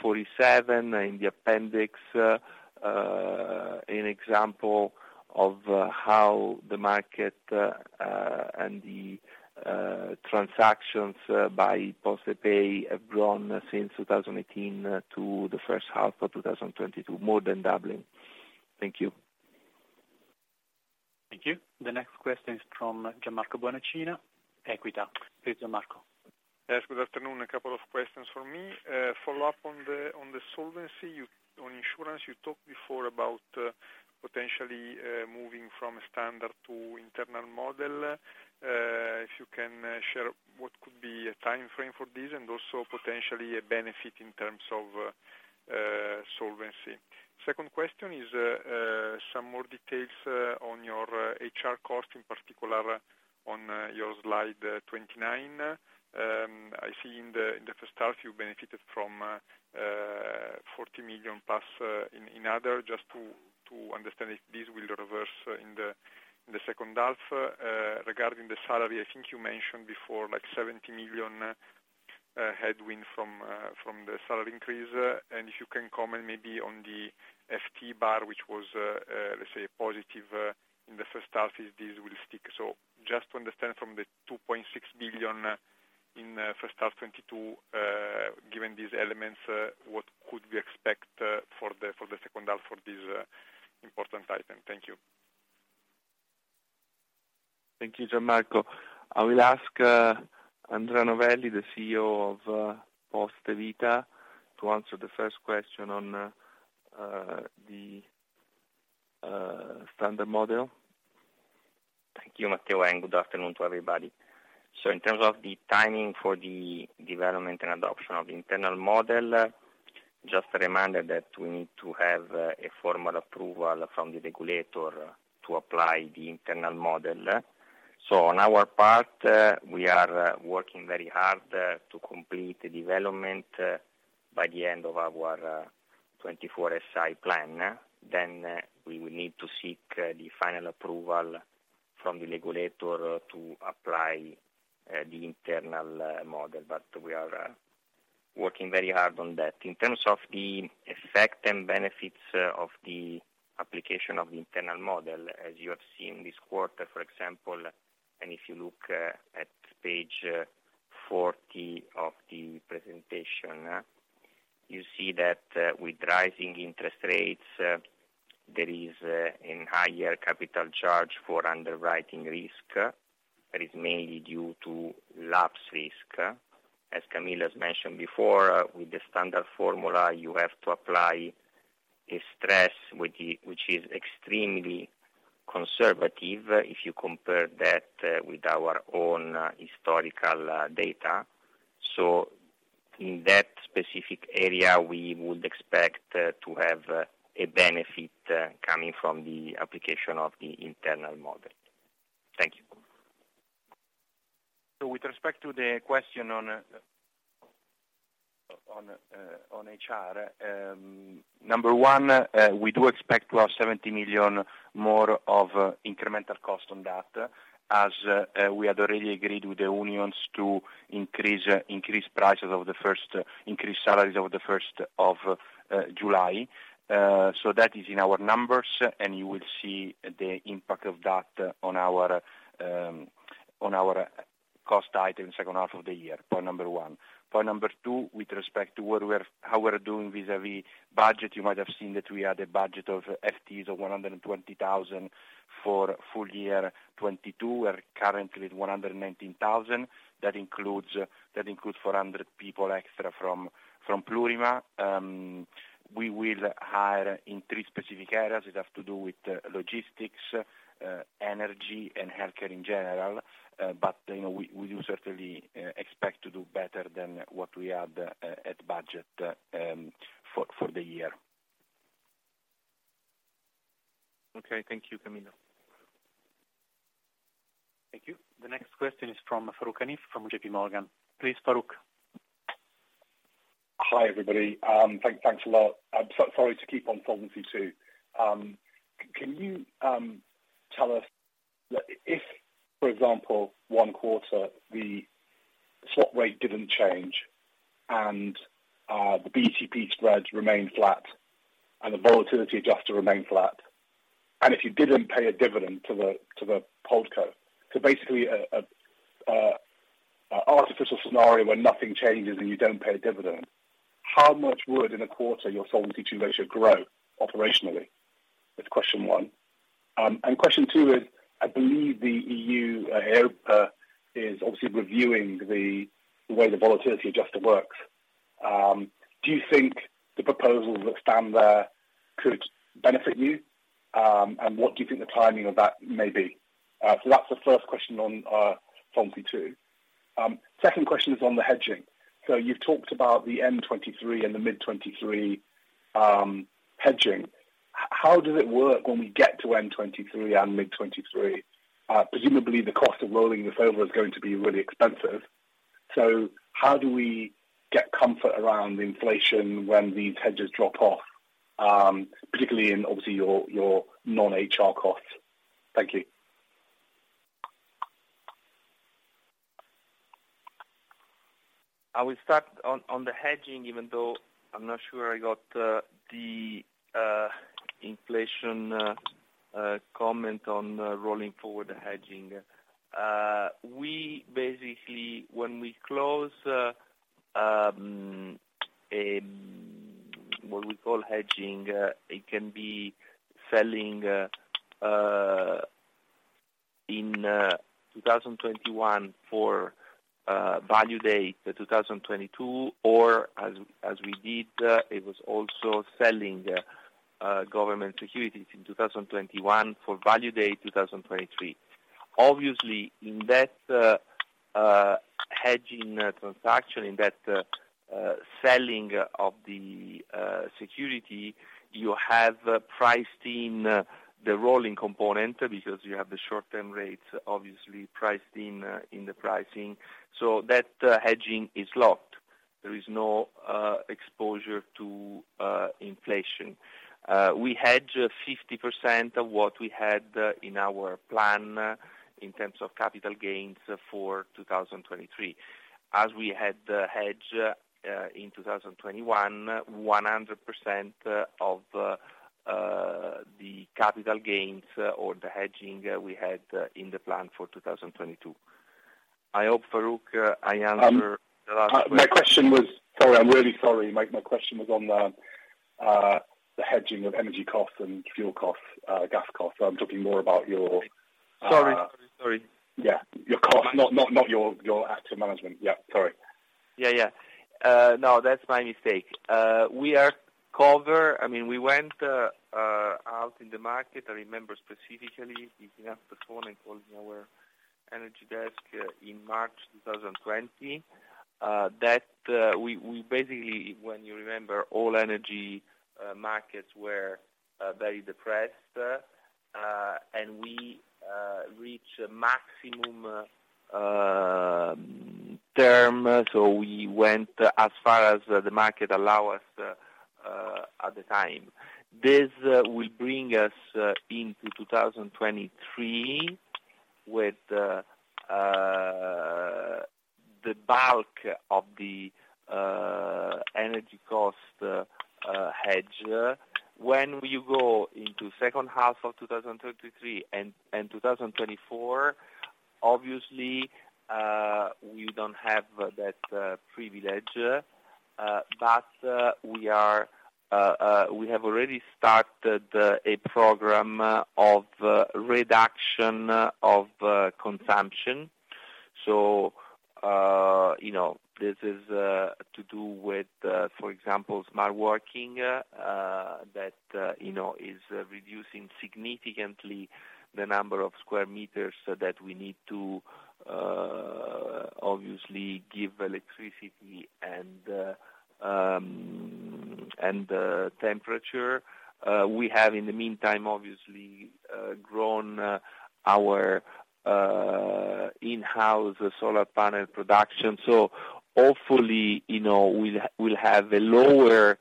47 in the appendix an example of how the market and the transactions by Postepay have grown since 2018 to the first half of 2022, more than doubling. Thank you. Thank you. The next question is from Gianmarco Bonacina, Equita. Please, Gianmarco. Yes. Good afternoon. A couple of questions from me. Follow up on the solvency on insurance, you talked before about potentially moving from standard to internal model. If you can share what could be a timeframe for this and also potentially a benefit in terms of solvency. Second question is some more details on your HR cost, in particular on your slide 29. I see in the first half you benefited from 40 million plus in other, just to understand if this will reverse in the second half. Regarding the salary, I think you mentioned before, like 70 million a headwind from the salary increase. If you can comment maybe on the FT bar, which was, let's say, positive in the first half, if this will stick. Just to understand from the 2.6 billion in first half 2022, given these elements, what could we expect for the second half for this important item? Thank you. Thank you, Gianmarco. I will ask Andrea Novelli, the CEO of Poste Vita, to answer the first question on the standard model. Thank you, Matteo, and good afternoon to everybody. In terms of the timing for the development and adoption of internal model, just a reminder that we need to have a formal approval from the regulator to apply the internal model. On our part, we are working very hard to complete the development by the end of our 24SI plan. We will need to seek the final approval from the regulator to apply the internal model. We are working very hard on that. In terms of the effect and benefits of the application of the internal model, as you have seen this quarter, for example, and if you look at page 40 of the presentation, you see that with rising interest rates there is a higher capital charge for underwriting risk that is mainly due to lapse risk. As Camillo has mentioned before, with the standard formula, you have to apply a stress which is extremely conservative if you compare that with our own historical data. In that specific area, we would expect to have a benefit coming from the application of the internal model. Thank you. With respect to the question on HR, number one, we do expect to have 70 million more of incremental cost on that, as we had already agreed with the unions to increase salaries of the first of July. That is in our numbers, and you will see the impact of that on our cost item second half of the year. Point number one. Point number two, with respect to how we're doing vis-à-vis budget, you might have seen that we had a budget of FTEs of 120,000 for full year 2022. We're currently at 119,000. That includes 400 people extra from Plurima. We will hire in three specific areas. It has to do with logistics, energy and healthcare in general. You know, we do certainly expect to do better than what we had at budget for the year. Okay. Thank you, Camillo. Thank you. The next question is from Farooq Hanif from JPMorgan. Please, Farooq. Hi, everybody. Thanks a lot. Sorry to keep on Solvency II. Can you tell us if, for example, one quarter, the swap rate didn't change and the BTP spreads remained flat and the volatility adjustment remained flat, and if you didn't pay a dividend to the holdco, so basically a artificial scenario where nothing changes and you don't pay a dividend, how much would in a quarter your Solvency II ratio grow operationally? That's question one. And question two is, I believe the EU EIOPA is obviously reviewing the way the volatility adjustment works. Do you think the proposals that stand there could benefit you? And what do you think the timing of that may be? That's the first question on Solvency II. Second question is on the hedging. You've talked about the end 2023 and the mid-2023 hedging. How does it work when we get to end 2023 and mid-2023? Presumably the cost of rolling this over is going to be really expensive. How do we get comfort around inflation when these hedges drop off, particularly in obviously your non-HR costs? Thank you. I will start on the hedging, even though I'm not sure I got the inflation comment on rolling forward the hedging. We basically, when we close what we call hedging, it can be selling in 2021 for value date 2022, or as we did, it was also selling government securities in 2021 for value date 2023. Obviously, in that hedging transaction, in that selling of the security, you have priced in the rolling component because you have the short-term rates obviously priced in the pricing. That hedging is locked. There is no exposure to inflation. We hedge 50% of what we had in our plan in terms of capital gains for 2023. As we had hedged in 2021, 100% of the capital gains or the hedging we had in the plan for 2022. I hope, Farooq, I answer the last question. Sorry, I'm really sorry. My question was on the hedging of energy costs and fuel costs, gas costs. I'm talking more about your Sorry. Yeah, your cost, not your actual management. Yeah, sorry. Yeah, yeah. No, that's my mistake. I mean, we went out in the market. I remember specifically picking up the phone and calling our energy desk in March 2020, that we basically, when you remember all energy markets were very depressed, and we reached maximum term. We went as far as the market allow us at the time. This will bring us into 2023 with the bulk of the energy cost hedge. When you go into second half of 2023 and 2024, obviously, we don't have that privilege, but we have already started a program of reduction of consumption. You know, this is to do with, for example, smart working that you know is reducing significantly the number of square meters so that we need to obviously give electricity and temperature. We have in the meantime obviously grown our in-house solar panel production. Hopefully you know we'll have a lower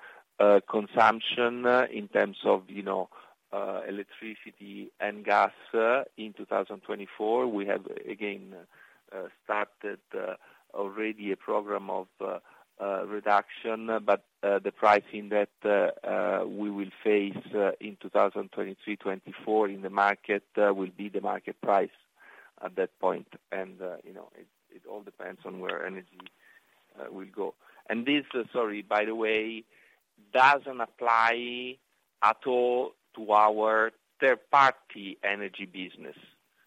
consumption in terms of you know electricity and gas in 2024. We have again started already a program of reduction, but the pricing that we will face in 2023-2024 in the market will be the market price at that point. You know it all depends on where energy will go. This sorry by the way doesn't apply at all to our third-party energy business.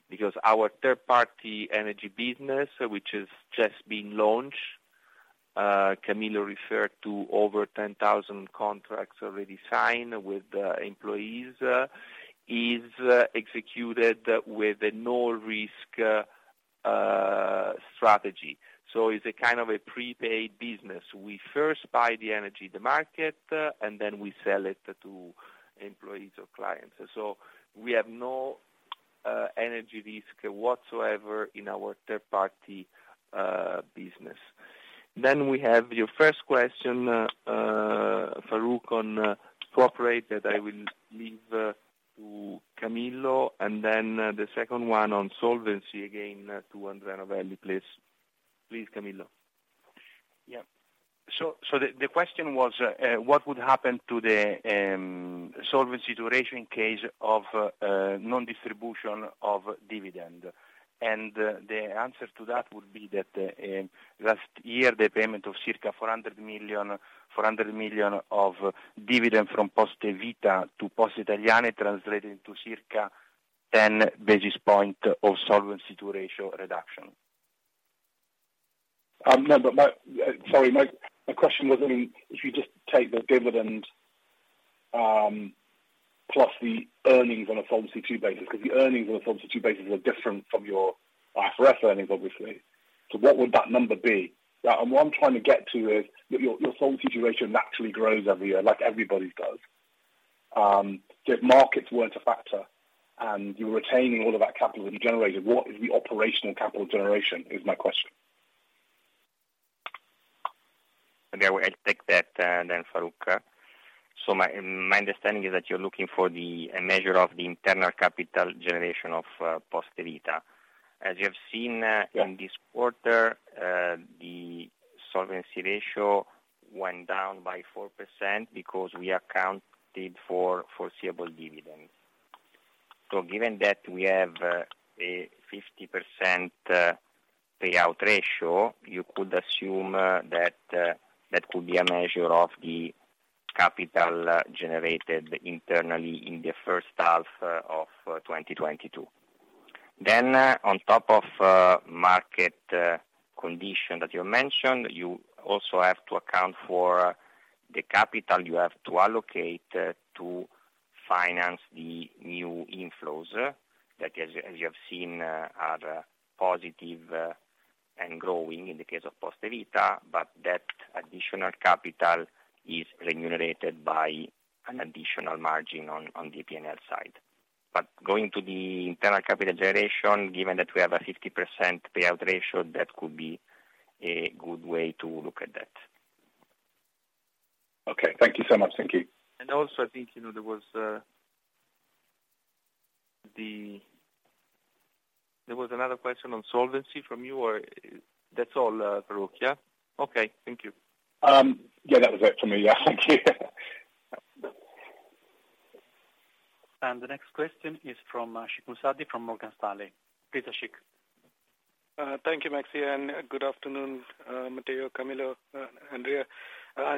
Because our third-party energy business, which has just been launched, Camillo referred to over 10,000 contracts already signed with the employees, is executed with a no risk strategy. It's a kind of a prepaid business. We first buy the energy in the market, and then we sell it to employees or clients. We have no energy risk whatsoever in our third-party business. We have your first question, Farooq, on corporate that I will leave to Camillo, and then the second one on solvency, again, to Andrea Novelli, please. Please, Camillo. The question was what would happen to the solvency ratio in case of non-distribution of dividend. The answer to that would be that last year, the payment of circa 400 million of dividend from Poste Vita to Poste Italiane translated into circa 10-basis-points of solvency ratio reduction. No, sorry, my question was, I mean, if you just take the dividend plus the earnings on a Solvency II basis, because the earnings on a Solvency II basis were different from your IFRS earnings, obviously. What would that number be? What I'm trying to get to is your solvency ratio naturally grows every year, like everybody's does. If markets weren't a factor and you were retaining all of that capital that you generated, what is the operational capital generation, is my question. Okay. I'll take that, then, Farooq. My understanding is that you're looking for a measure of the internal capital generation of Poste Vita. As you have seen in this quarter, the solvency ratio went down by 4% because we accounted for foreseeable dividends. Given that we have a 50% payout ratio, you could assume that that could be a measure of the capital generated internally in the first half of 2022. On top of market condition that you mentioned, you also have to account for the capital you have to allocate to finance the new inflows that, as you have seen, are positive and growing in the case of Poste Vita, but that additional capital is remunerated by an additional margin on the P&L side. Going to the internal capital generation, given that we have a 50% payout ratio, that could be a good way to look at that. Okay, thank you so much. Thank you. I think, you know, there was another question on solvency from you or that's all, Farooq, yeah? Okay. Thank you. Yeah, that was it from me. Yeah. Thank you. The next question is from Ashik Musaddi from Morgan Stanley. Please, Ashik. Thank you, Maxie, and good afternoon, Matteo, Camillo, Andrea.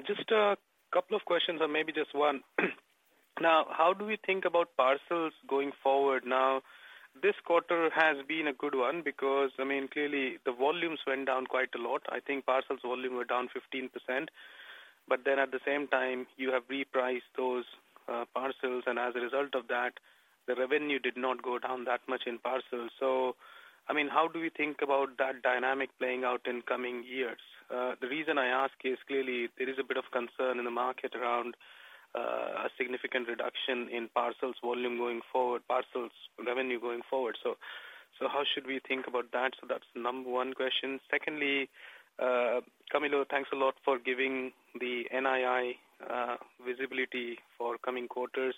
Just a couple of questions or maybe just one. Now, how do we think about parcels going forward? Now, this quarter has been a good one because, I mean, clearly the volumes went down quite a lot. I think parcels volume were down 15%. But then at the same time, you have repriced those, parcels, and as a result of that, the revenue did not go down that much in parcels. So, I mean, how do we think about that dynamic playing out in coming years? The reason I ask is clearly there is a bit of concern in the market around, a significant reduction in parcels volume going forward, parcels revenue going forward. So how should we think about that? That's number one question. Secondly, Camillo, thanks a lot for giving the NII visibility for coming quarters.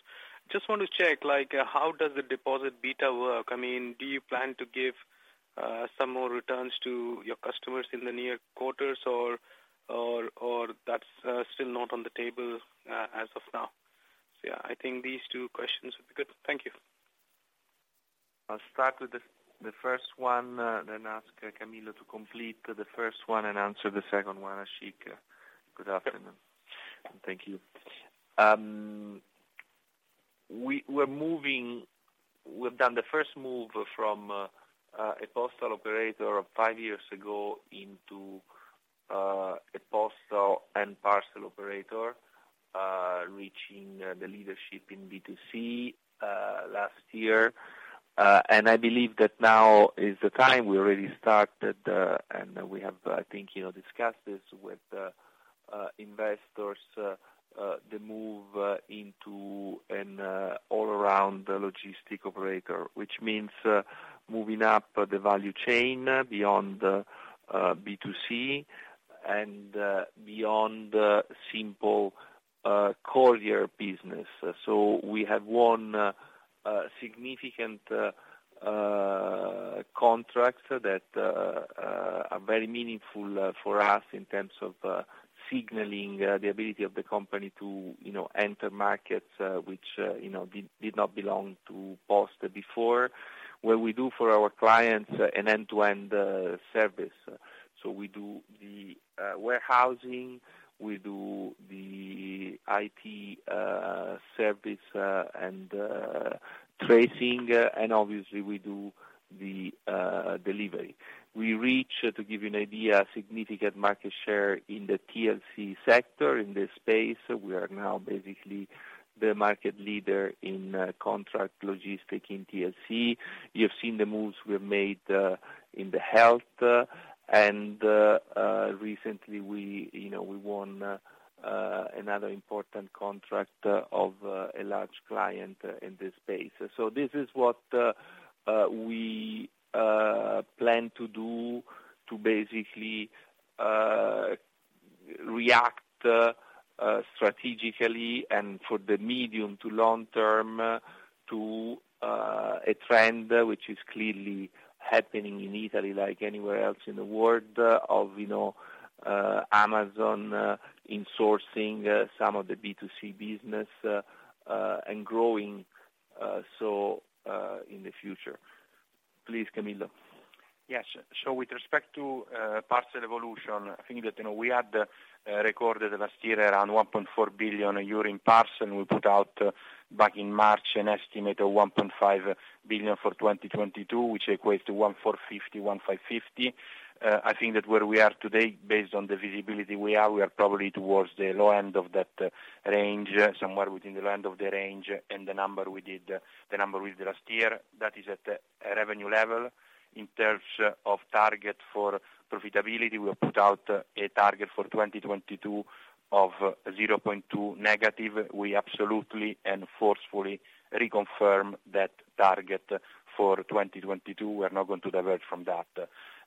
Just want to check, like, how does the deposit beta work? I mean, do you plan to give some more returns to your customers in the near quarters or that's still not on the table as of now? Yeah, I think these two questions would be good. Thank you. I'll start with the first one, then ask Camillo to complete the first one and answer the second one, Ashik. Good afternoon. Thank you. We've done the first move from a postal operator five years ago into a postal and parcel operator, reaching the leadership in B2C last year. I believe that now is the time we already started, and we have, I think, you know, discussed this with the investors, the move into and all around the logistic operator, which means moving up the value chain beyond B2C and beyond the simple courier business. We have won significant contracts that are very meaningful for us in terms of signaling the ability of the company to enter markets which did not belong to Post before, where we do for our clients an end-to-end service. We do the warehousing, we do the IT service and tracing, and obviously we do the delivery. We reach, to give you an idea, significant market share in the TLC sector, in this space. We are now basically the market leader in contract logistics in TLC. You have seen the moves we have made in the health and recently we won another important contract of a large client in this space. This is what we plan to do to basically react strategically and for the medium to long term to a trend which is clearly happening in Italy, like anywhere else in the world of, you know, Amazon insourcing some of the B2C business, and growing so in the future. Please, Camillo. Yes. With respect to parcel evolution, I think that, you know, we had recorded last year around 1.4 billion euro in parcel, and we put out back in March an estimate of 1.5 billion for 2022, which equates to 1,450-1,550. I think that where we are today, based on the visibility we are probably towards the low end of that range, somewhere within the low end of the range and the number we did last year, that is at a revenue level. In terms of target for profitability, we have put out a target for 2022 of -0.2%. We absolutely and forcefully reconfirm that target for 2022. We are not going to diverge from that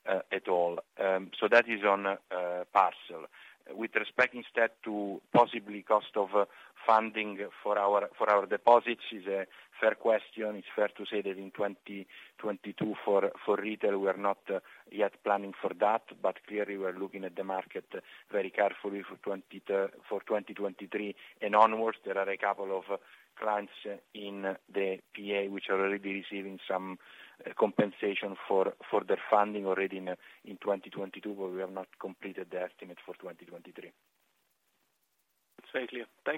at all. That is on parcel. With respect instead to possibly cost of funding for our deposits is a fair question. It's fair to say that in 2022 for retail, we are not yet planning for that, but clearly we are looking at the market very carefully for 2023 and onwards. There are a couple of clients in the PA which are already receiving some compensation for their funding already in 2022, but we have not completed the estimate for 2023. It's very clear. Thank you.